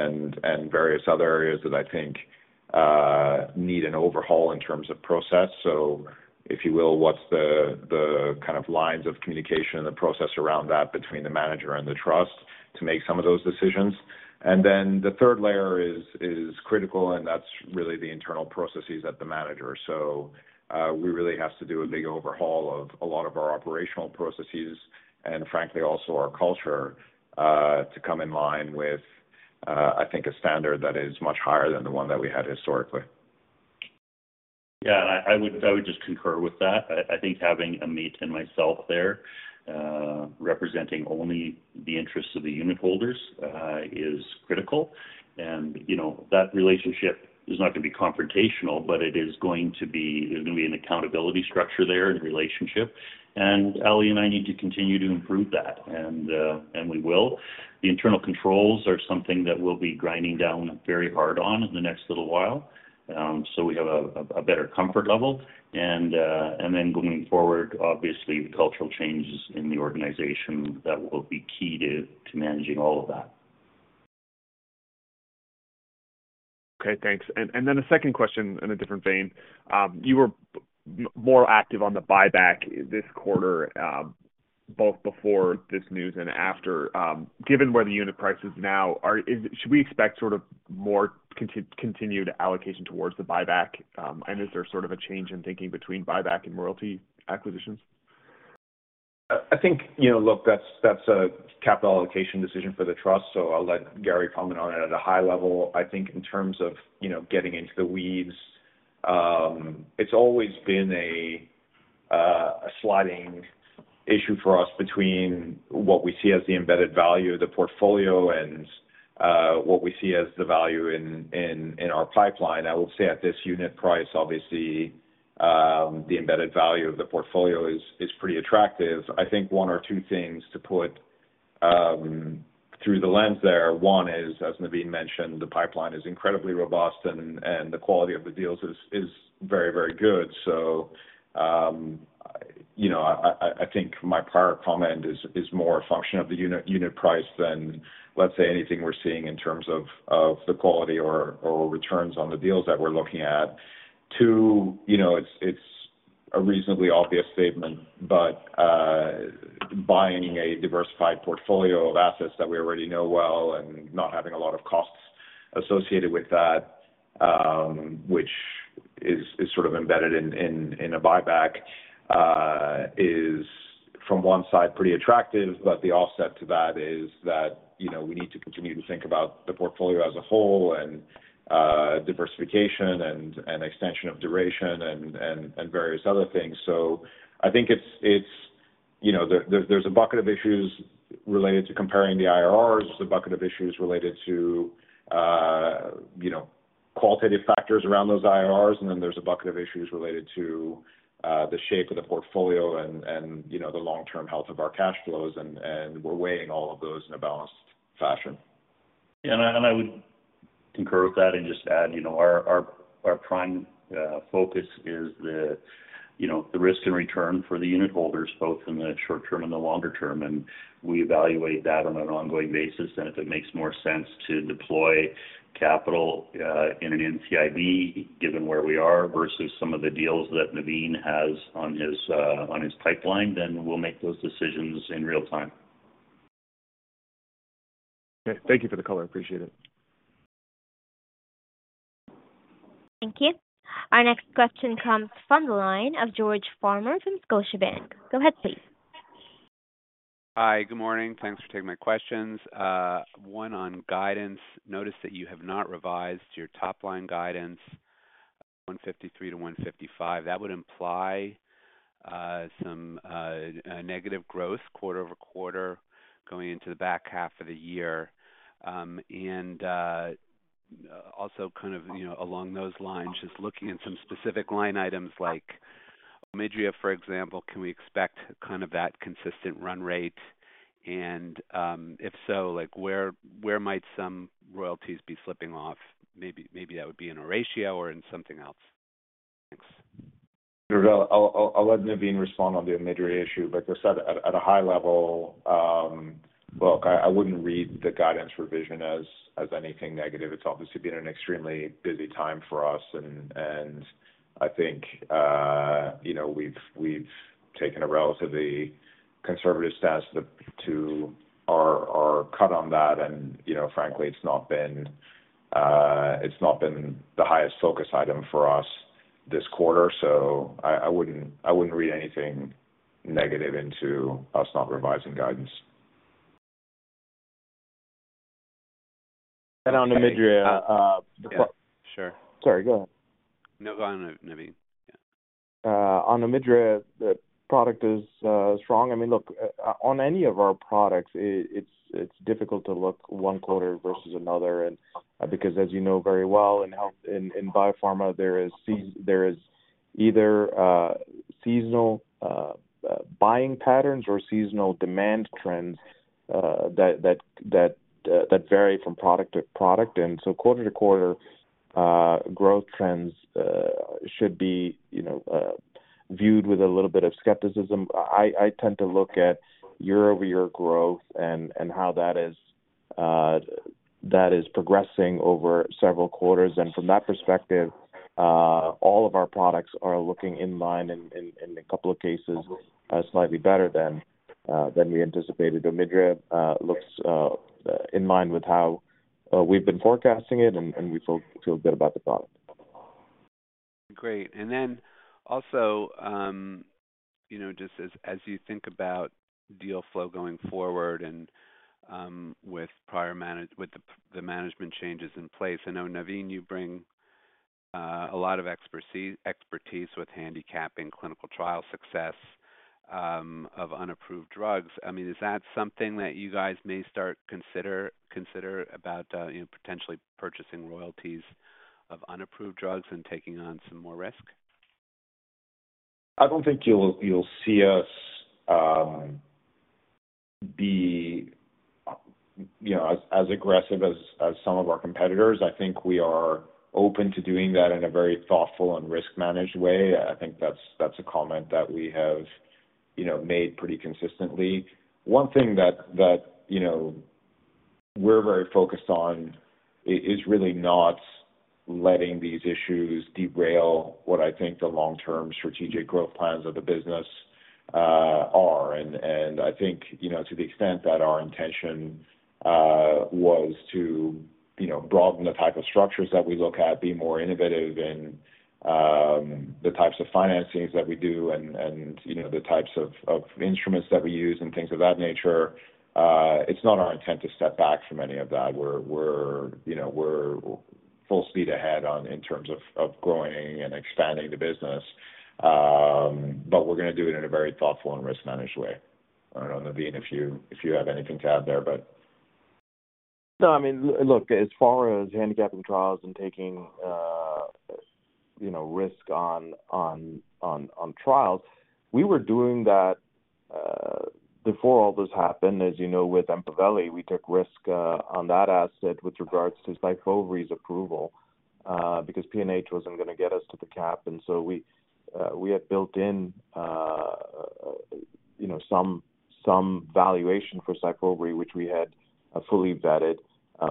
and various other areas that I think need an overhaul in terms of process. So if you will, what's the kind of lines of communication and the process around that between the manager and the trust to make some of those decisions? And then the third layer is critical, and that's really the internal processes at the manager. So, we really have to do a big overhaul of a lot of our operational processes and frankly, also our culture, to come in line with, I think, a standard that is much higher than the one that we had historically. Yeah, I would just concur with that. I think having Amit and myself there, representing only the interests of the unitholders, is critical. And, you know, that relationship is not gonna be confrontational, but it is going to be. There's gonna be an accountability structure there in the relationship. And Ali and I need to continue to improve that, and we will. The internal controls are something that we'll be grinding down very hard on in the next little while, so we have a better comfort level. And then going forward, obviously, the cultural changes in the organization, that will be key to managing all of that. Okay, thanks. And then a second question in a different vein. You were more active on the buyback this quarter, both before this news and after. Given where the unit price is now, should we expect sort of more continued allocation towards the buyback? And is there sort of a change in thinking between buyback and royalty acquisitions? I think, you know, look, that's, that's a capital allocation decision for the trust, so I'll let Gary comment on it at a high level. I think in terms of, you know, getting into the weeds, it's always been a sliding issue for us between what we see as the embedded value of the portfolio and what we see as the value in our pipeline. I will say, at this unit price, obviously, the embedded value of the portfolio is pretty attractive. I think one or two things to put through the lens there, one is, as Naveen mentioned, the pipeline is incredibly robust, and the quality of the deals is very, very good. So, you know, I think my prior comment is more a function of the unit price than, let's say, anything we're seeing in terms of the quality or returns on the deals that we're looking at. Two, you know, it's a reasonably obvious statement, but buying a diversified portfolio of assets that we already know well and not having a lot of costs associated with that, which is sort of embedded in a buyback, is, from one side, pretty attractive. But the offset to that is that, you know, we need to continue to think about the portfolio as a whole and diversification and extension of duration and various other things. So I think it's, you know, there's a bucket of issues related to comparing the IRRs. There's a bucket of issues related to, you know, qualitative factors around those IRRs, and then there's a bucket of issues related to the shape of the portfolio and, you know, the long-term health of our cash flows, and we're weighing all of those in a balanced fashion. Yeah, and I would concur with that and just add, you know, our prime focus is, you know, the risk and return for the unitholders, both in the short term and the longer term, and we evaluate that on an ongoing basis. And if it makes more sense to deploy capital in an NCIB, given where we are, versus some of the deals that Navin has on his pipeline, then we'll make those decisions in real time. Okay. Thank you for the color. I appreciate it. Thank you. Our next question comes from the line of George Farmer from Scotiabank. Go ahead, please. Hi, good morning. Thanks for taking my questions. One, on guidance, notice that you have not revised your top-line guidance, $153 million-$155 million. That would imply some a negative growth quarter-over-quarter, going into the back half of the year. And also, kind of, you know, along those lines, just looking at some specific line items like Omidria, for example, can we expect kind of that consistent run rate? And if so, like, where, where might some royalties be slipping off? Maybe, maybe that would be in a ratio or in something else. Thanks. I'll let Navin respond on the Omidria issue. Like I said, at a high level, look, I wouldn't read the guidance revision as anything negative. It's obviously been an extremely busy time for us, and I think, you know, we've taken a relatively conservative stance to our cut on that. And, you know, frankly, it's not been the highest focus item for us this quarter, so I wouldn't read anything negative into us not revising guidance. On Omidria, Yeah, sure. Sorry, go ahead. No, go ahead, Naveen. Yeah. On Omidria, the product is strong. I mean, look, on any of our products, it's difficult to look one quarter versus another, and because as you know very well, in biopharma, there is either seasonal buying patterns or seasonal demand trends that vary from product to product. And so quarter-to-quarter growth trends should be, you know, viewed with a little bit of skepticism. I tend to look at year-over-year growth and how that is progressing over several quarters. And from that perspective, all of our products are looking in line and in a couple of cases slightly better than we anticipated. Omidria looks in line with how we've been forecasting it, and we feel good about the product. Great. Then also, you know, just as you think about deal flow going forward and with the management changes in place, I know, Naveen, you bring a lot of expertise with handicapping clinical trial success of unapproved drugs. I mean, is that something that you guys may consider about, you know, potentially purchasing royalties of unapproved drugs and taking on some more risk? I don't think you'll see us, you know, be as aggressive as some of our competitors. I think we are open to doing that in a very thoughtful and risk-managed way. I think that's a comment that we have, you know, made pretty consistently. One thing that, you know, we're very focused on is really not letting these issues derail what I think the long-term strategic growth plans of the business are. I think, you know, to the extent that our intention was to, you know, broaden the type of structures that we look at, be more innovative and the types of financings that we do and, you know, the types of instruments that we use and things of that nature, it's not our intent to step back from any of that. We're, you know, we're full speed ahead in terms of growing and expanding the business. But we're gonna do it in a very thoughtful and risk-managed way. I don't know, Naveen, if you have anything to add there, but- No, I mean, look, as far as handicapping trials and taking, you know, risk on trials, we were doing that before all this happened. As you know, with Empaveli, we took risk on that asset with regards to Syfovre's approval, because PNH wasn't gonna get us to the cap. And so we had built in, you know, some valuation for Syfovre, which we had fully vetted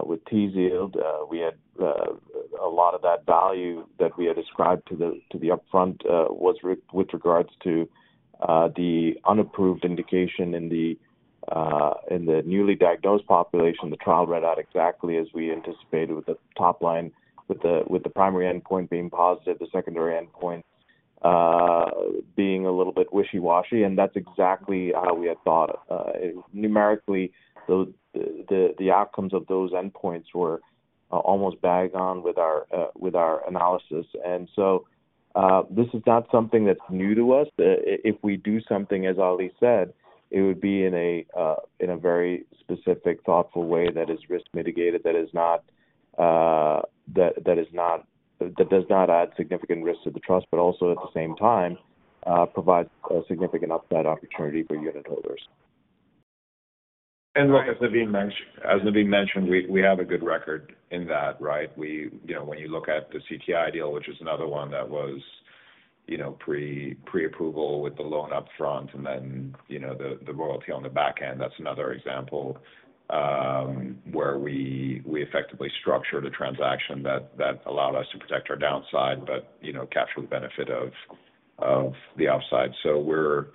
with Tzield. We had a lot of that value that we had ascribed to the, to the upfront was with regards to the unapproved indication in the newly diagnosed population. The trial read out exactly as we anticipated, with the top line, with the primary endpoint being positive, the secondary endpoint being a little bit wishy-washy, and that's exactly how we had thought. Numerically, the outcomes of those endpoints were almost bang on with our analysis. And so, this is not something that's new to us. If we do something, as Ali said, it would be in a very specific, thoughtful way that is risk mitigated, that is not - that does not add significant risk to the trust, but also, at the same time, provides a significant upside opportunity for unitholders. And look, as Navin mentioned, we have a good record in that, right? You know, when you look at the CTI deal, which is another one that was, you know, pre-approval with the loan upfront and then, you know, the royalty on the back end, that's another example where we effectively structured a transaction that allowed us to protect our downside, but, you know, capture the benefit of the upside. So we're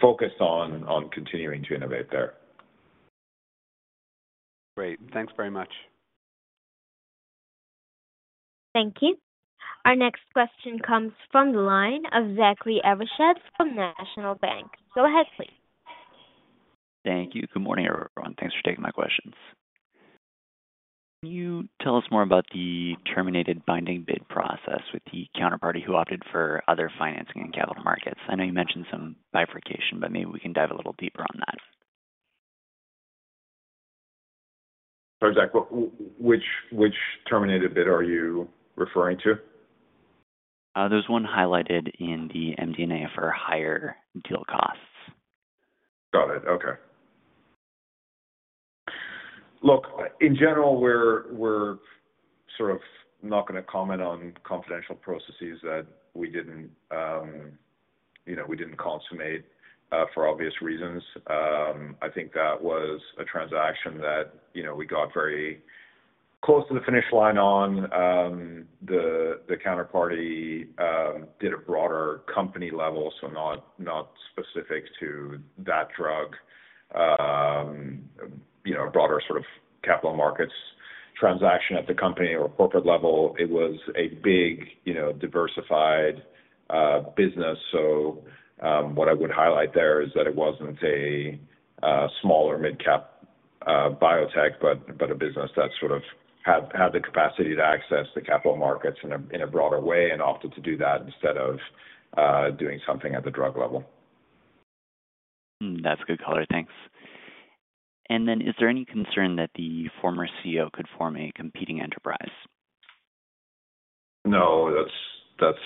focused on continuing to innovate there. Great. Thanks very much. Thank you. Our next question comes from the line of Zachary Evershed from National Bank. Go ahead, please. Thank you. Good morning, everyone. Thanks for taking my questions. Can you tell us more about the terminated binding bid process with the counterparty who opted for other financing and capital markets? I know you mentioned some bifurcation, but maybe we can dive a little deeper on that. Sorry, Zach, which terminated bid are you referring to? There's one highlighted in the MD&A for higher deal costs. Got it. Okay. Look, in general, we're sort of not gonna comment on confidential processes that we didn't, you know, we didn't consummate, for obvious reasons. I think that was a transaction that, you know, we got very close to the finish line on. The counterparty did a broader company level, so not specific to that drug. You know, a broader sort of capital markets transaction at the company or corporate level. It was a big, you know, diversified, business. So, what I would highlight there is that it wasn't a small or mid-cap biotech, but a business that sort of had the capacity to access the capital markets in a broader way and opted to do that instead of doing something at the drug level. That's a good color. Thanks. Then, is there any concern that the former CEO could form a competing enterprise? No, that's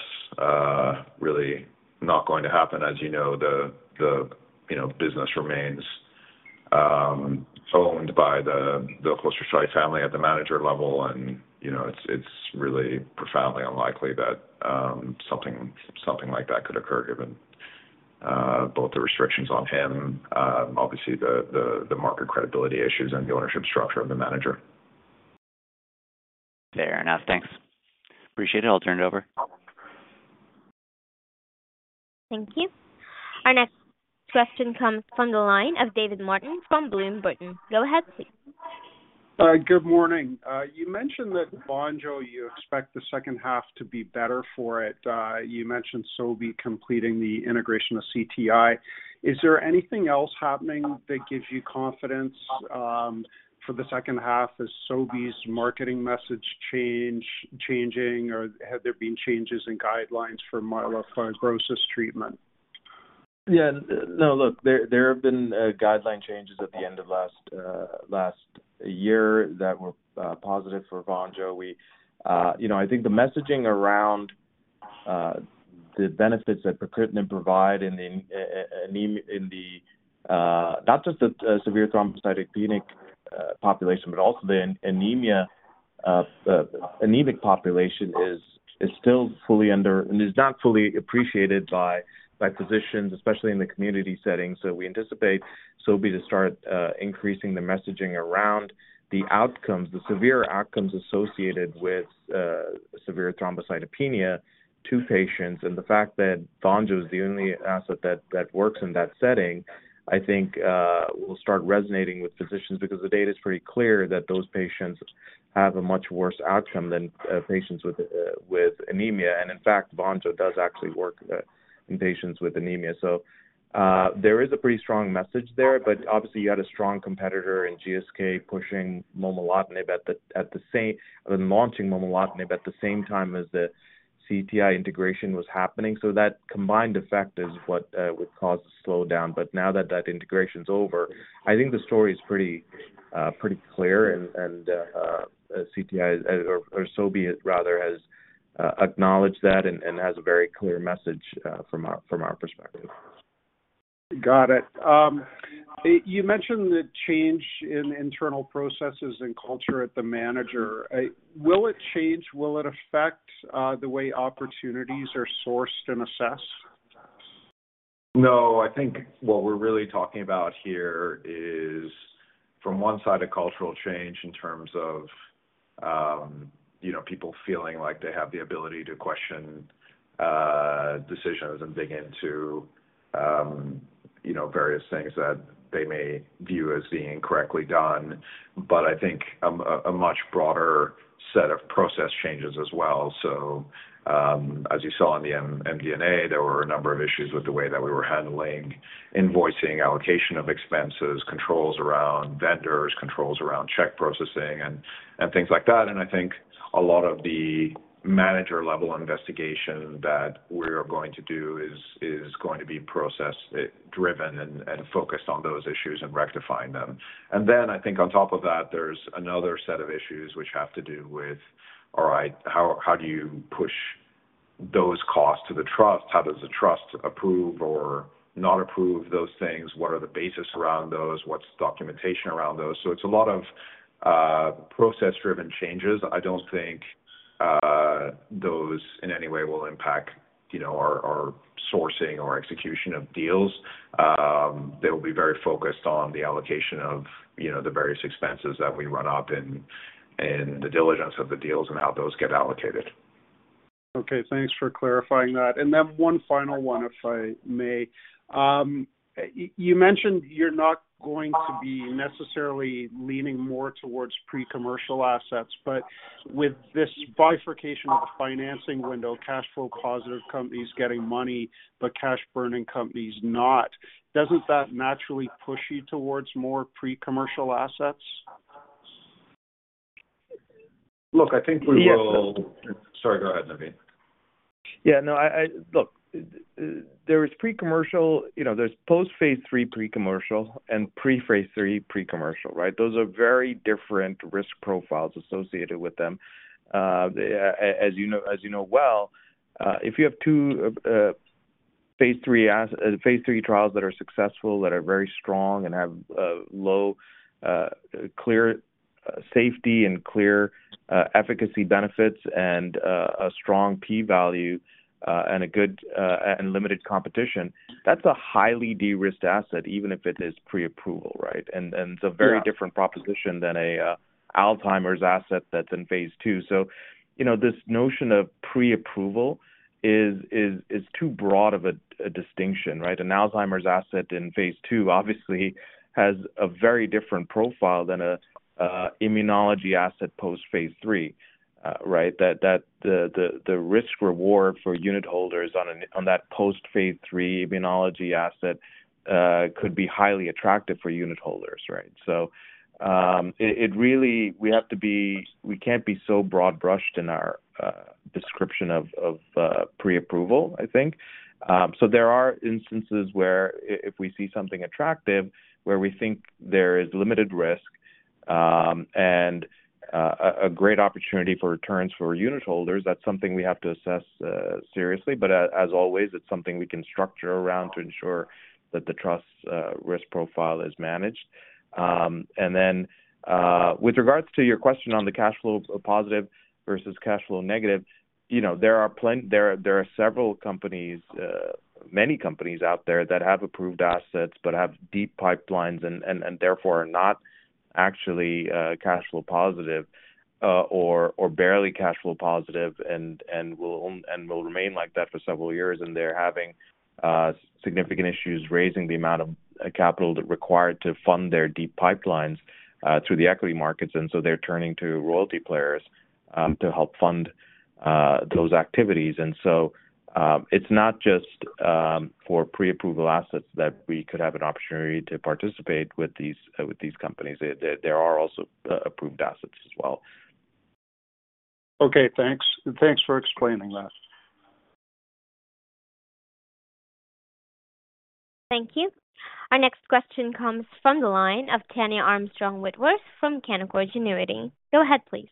really not going to happen. As you know, you know, the business remains owned by the Khosrowshahi family at the manager level, and, you know, it's really profoundly unlikely that something like that could occur, given both the restrictions on him, obviously, the market credibility issues and the ownership structure of the manager. Fair enough. Thanks. Appreciate it. I'll turn it over. Thank you. Our next question comes from the line of David Martin from Bloom Burton. Go ahead, please. Good morning. You mentioned that Vonjo, you expect the second half to be better for it. You mentioned Sobi completing the integration of CTI. Is there anything else happening that gives you confidence for the second half? Is Sobi's marketing message change, changing, or have there been changes in guidelines for myelofibrosis treatment? Yeah. No, look, there have been guideline changes at the end of last year that were positive for Vonjo. We, you know, I think the messaging around the benefits that pacritinib provide in the not just the severe thrombocytopenic-... population, but also the anemia, anemic population is still fully under and is not fully appreciated by physicians, especially in the community setting. So we anticipate Sobi to start increasing the messaging around the outcomes, the severe outcomes associated with severe thrombocytopenia to patients. And the fact that Vonjo is the only asset that works in that setting, I think, will start resonating with physicians because the data is pretty clear that those patients have a much worse outcome than patients with anemia. And in fact, Vonjo does actually work in patients with anemia. So there is a pretty strong message there, but obviously you had a strong competitor in GSK pushing momelotinib at the same time as the CTI integration was happening. So that combined effect is what would cause a slowdown. But now that that integration is over, I think the story is pretty pretty clear. And CTI or Sobi rather has acknowledged that and has a very clear message from our perspective. Got it. You mentioned the change in internal processes and culture at the manager. Will it change? Will it affect the way opportunities are sourced and assessed? No, I think what we're really talking about here is, from one side, a cultural change in terms of, you know, people feeling like they have the ability to question, decisions and dig into, you know, various things that they may view as being incorrectly done, but I think, a much broader set of process changes as well. So, as you saw in the MD&A, there were a number of issues with the way that we were handling invoicing, allocation of expenses, controls around vendors, controls around check processing and things like that. And I think a lot of the manager-level investigation that we're going to do is going to be process driven and focused on those issues and rectifying them. And then I think on top of that, there's another set of issues which have to do with, all right, how do you push those costs to the trust? How does the trust approve or not approve those things? What are the basis around those? What's the documentation around those? So it's a lot of process-driven changes. I don't think those in any way will impact, you know, our sourcing or execution of deals. They will be very focused on the allocation of, you know, the various expenses that we run up and the diligence of the deals and how those get allocated. Okay, thanks for clarifying that. Then one final one, if I may. You mentioned you're not going to be necessarily leaning more towards pre-commercial assets, but with this bifurcation of the financing window, cash flow positive companies getting money, but cash burning companies not, doesn't that naturally push you towards more pre-commercial assets? Look, I think we will... Sorry, go ahead, Navin. Yeah, no, I... Look, there is pre-commercial, you know, there's post-phase three pre-commercial and pre-phase three pre-commercial, right? Those are very different risk profiles associated with them. As you know, as you know well, if you have two phase three trials that are successful, that are very strong and have low, clear safety and clear efficacy benefits and a strong p-value and a good and limited competition, that's a highly de-risked asset, even if it is pre-approval, right? Yeah. It's a very different proposition than an Alzheimer's asset that's in phase two. So, you know, this notion of pre-approval is too broad of a distinction, right? An Alzheimer's asset in phase two obviously has a very different profile than an immunology asset post-phase three, right? The risk reward for unitholders on that post-phase three immunology asset could be highly attractive for unitholders, right? So, really we have to be we can't be so broad-brushed in our description of pre-approval, I think. So there are instances where if we see something attractive, where we think there is limited risk, and a great opportunity for returns for unitholders, that's something we have to assess seriously. But as always, it's something we can structure around to ensure that the trust's risk profile is managed. And then, with regards to your question on the cash flow positive versus cash flow negative, you know, there are plenty. There are several companies, many companies out there that have approved assets but have deep pipelines and therefore, are not actually cash flow positive, or barely cash flow positive, and will remain like that for several years. And they're having significant issues raising the amount of capital required to fund their deep pipelines through the equity markets. And so they're turning to royalty players to help fund those activities. So, it's not just for pre-approval assets that we could have an opportunity to participate with these companies. There are also approved assets as well. Okay, thanks. Thanks for explaining that. Thank you. Our next question comes from the line of Tania Armstrong Whitworth from Canaccord Genuity. Go ahead, please. ...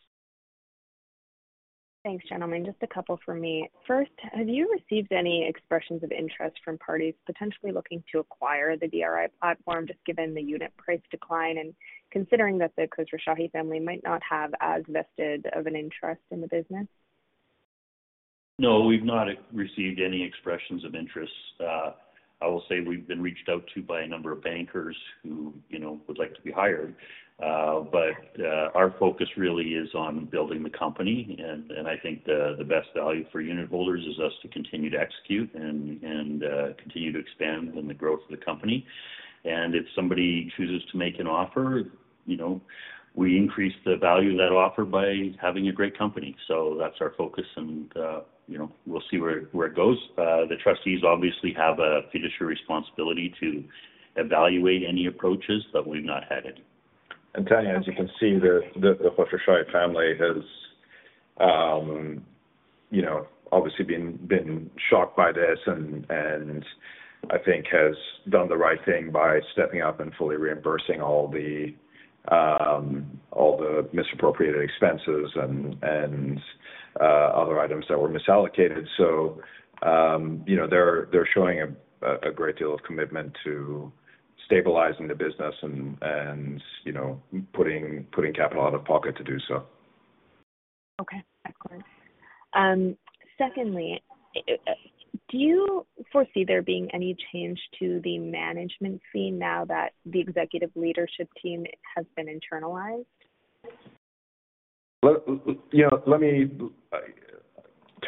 Thanks, gentlemen. Just a couple for me. First, have you received any expressions of interest from parties potentially looking to acquire the DRI platform, just given the unit price decline and considering that the Khosrowshahi family might not have as vested of an interest in the business? No, we've not received any expressions of interest. I will say we've been reached out to by a number of bankers who, you know, would like to be hired. But our focus really is on building the company. And I think the best value for unitholders is us to continue to execute and continue to expand on the growth of the company. And if somebody chooses to make an offer, you know, we increase the value of that offer by having a great company. So that's our focus, and, you know, we'll see where it goes. The trustees obviously have a fiduciary responsibility to evaluate any approaches, but we've not had any. And Tania, as you can see, the Khosrowshahi family has, you know, obviously been shocked by this and I think has done the right thing by stepping up and fully reimbursing all the misappropriated expenses and other items that were misallocated. So, you know, they're showing a great deal of commitment to stabilizing the business and, you know, putting capital out of pocket to do so. Okay. Excellent. Secondly, do you foresee there being any change to the management fee now that the executive leadership team has been internalized? Well, you know, let me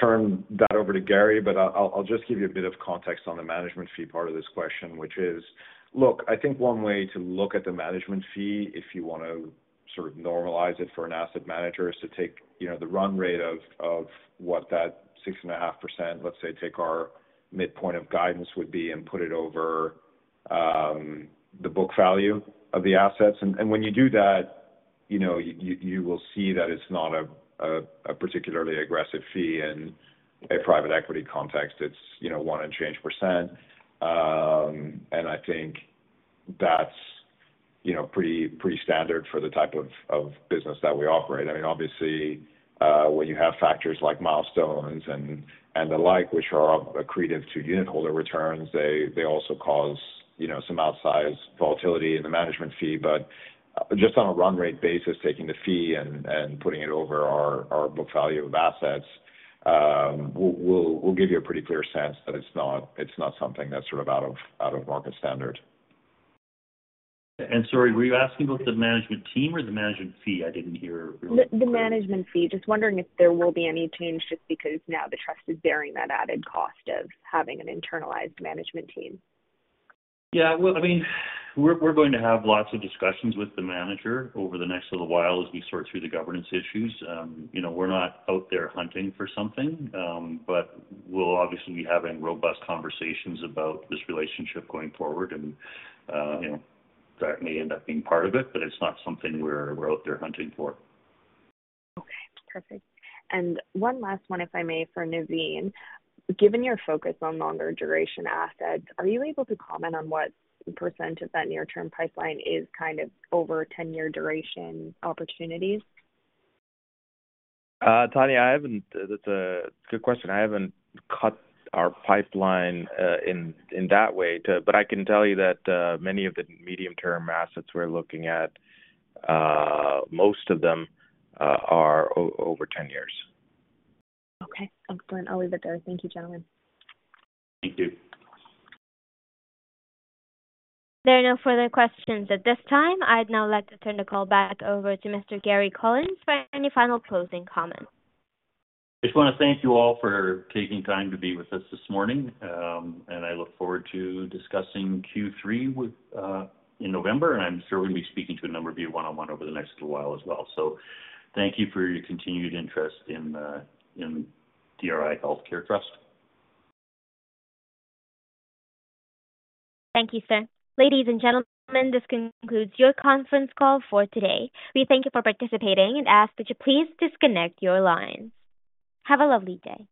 turn that over to Gary, but I'll just give you a bit of context on the management fee part of this question, which is... Look, I think one way to look at the management fee, if you want to sort of normalize it for an asset manager, is to take, you know, the run rate of what that 6.5%, let's say, take our midpoint of guidance would be, and put it over the book value of the assets. And when you do that, you know, you will see that it's not a particularly aggressive fee in a private equity context. It's, you know, 1% and change. And I think that's, you know, pretty standard for the type of business that we operate. I mean, obviously, when you have factors like milestones and, and the like, which are accretive to unitholder returns, they also cause, you know, some outsized volatility in the management fee. But just on a run rate basis, taking the fee and putting it over our book value of assets, we'll give you a pretty clear sense that it's not, it's not something that's sort of out of market standard. Sorry, were you asking about the management team or the management fee? I didn't hear. The management fee. Just wondering if there will be any change, just because now the trust is bearing that added cost of having an internalized management team? Yeah. Well, I mean, we're going to have lots of discussions with the manager over the next little while as we sort through the governance issues. You know, we're not out there hunting for something, but we'll obviously be having robust conversations about this relationship going forward. And, you know, that may end up being part of it, but it's not something we're out there hunting for. Okay, perfect. And one last one, if I may, for Navin. Given your focus on longer duration assets, are you able to comment on what % of that near-term pipeline is kind of over 10-year duration opportunities? Tania, I haven't. That's a good question. I haven't cut our pipeline in that way to. But I can tell you that many of the medium-term assets we're looking at, most of them, are over 10 years. Okay. Excellent. I'll leave it there. Thank you, gentlemen. Thank you. There are no further questions at this time. I'd now like to turn the call back over to Mr. Gary Collins for any final closing comments. Just want to thank you all for taking time to be with us this morning, and I look forward to discussing Q3 with, in November, and I'm sure we'll be speaking to a number of you one-on-one over the next little while as well. So thank you for your continued interest in, in DRI Healthcare Trust. Thank you, sir. Ladies and gentlemen, this concludes your conference call for today. We thank you for participating and ask that you please disconnect your lines. Have a lovely day.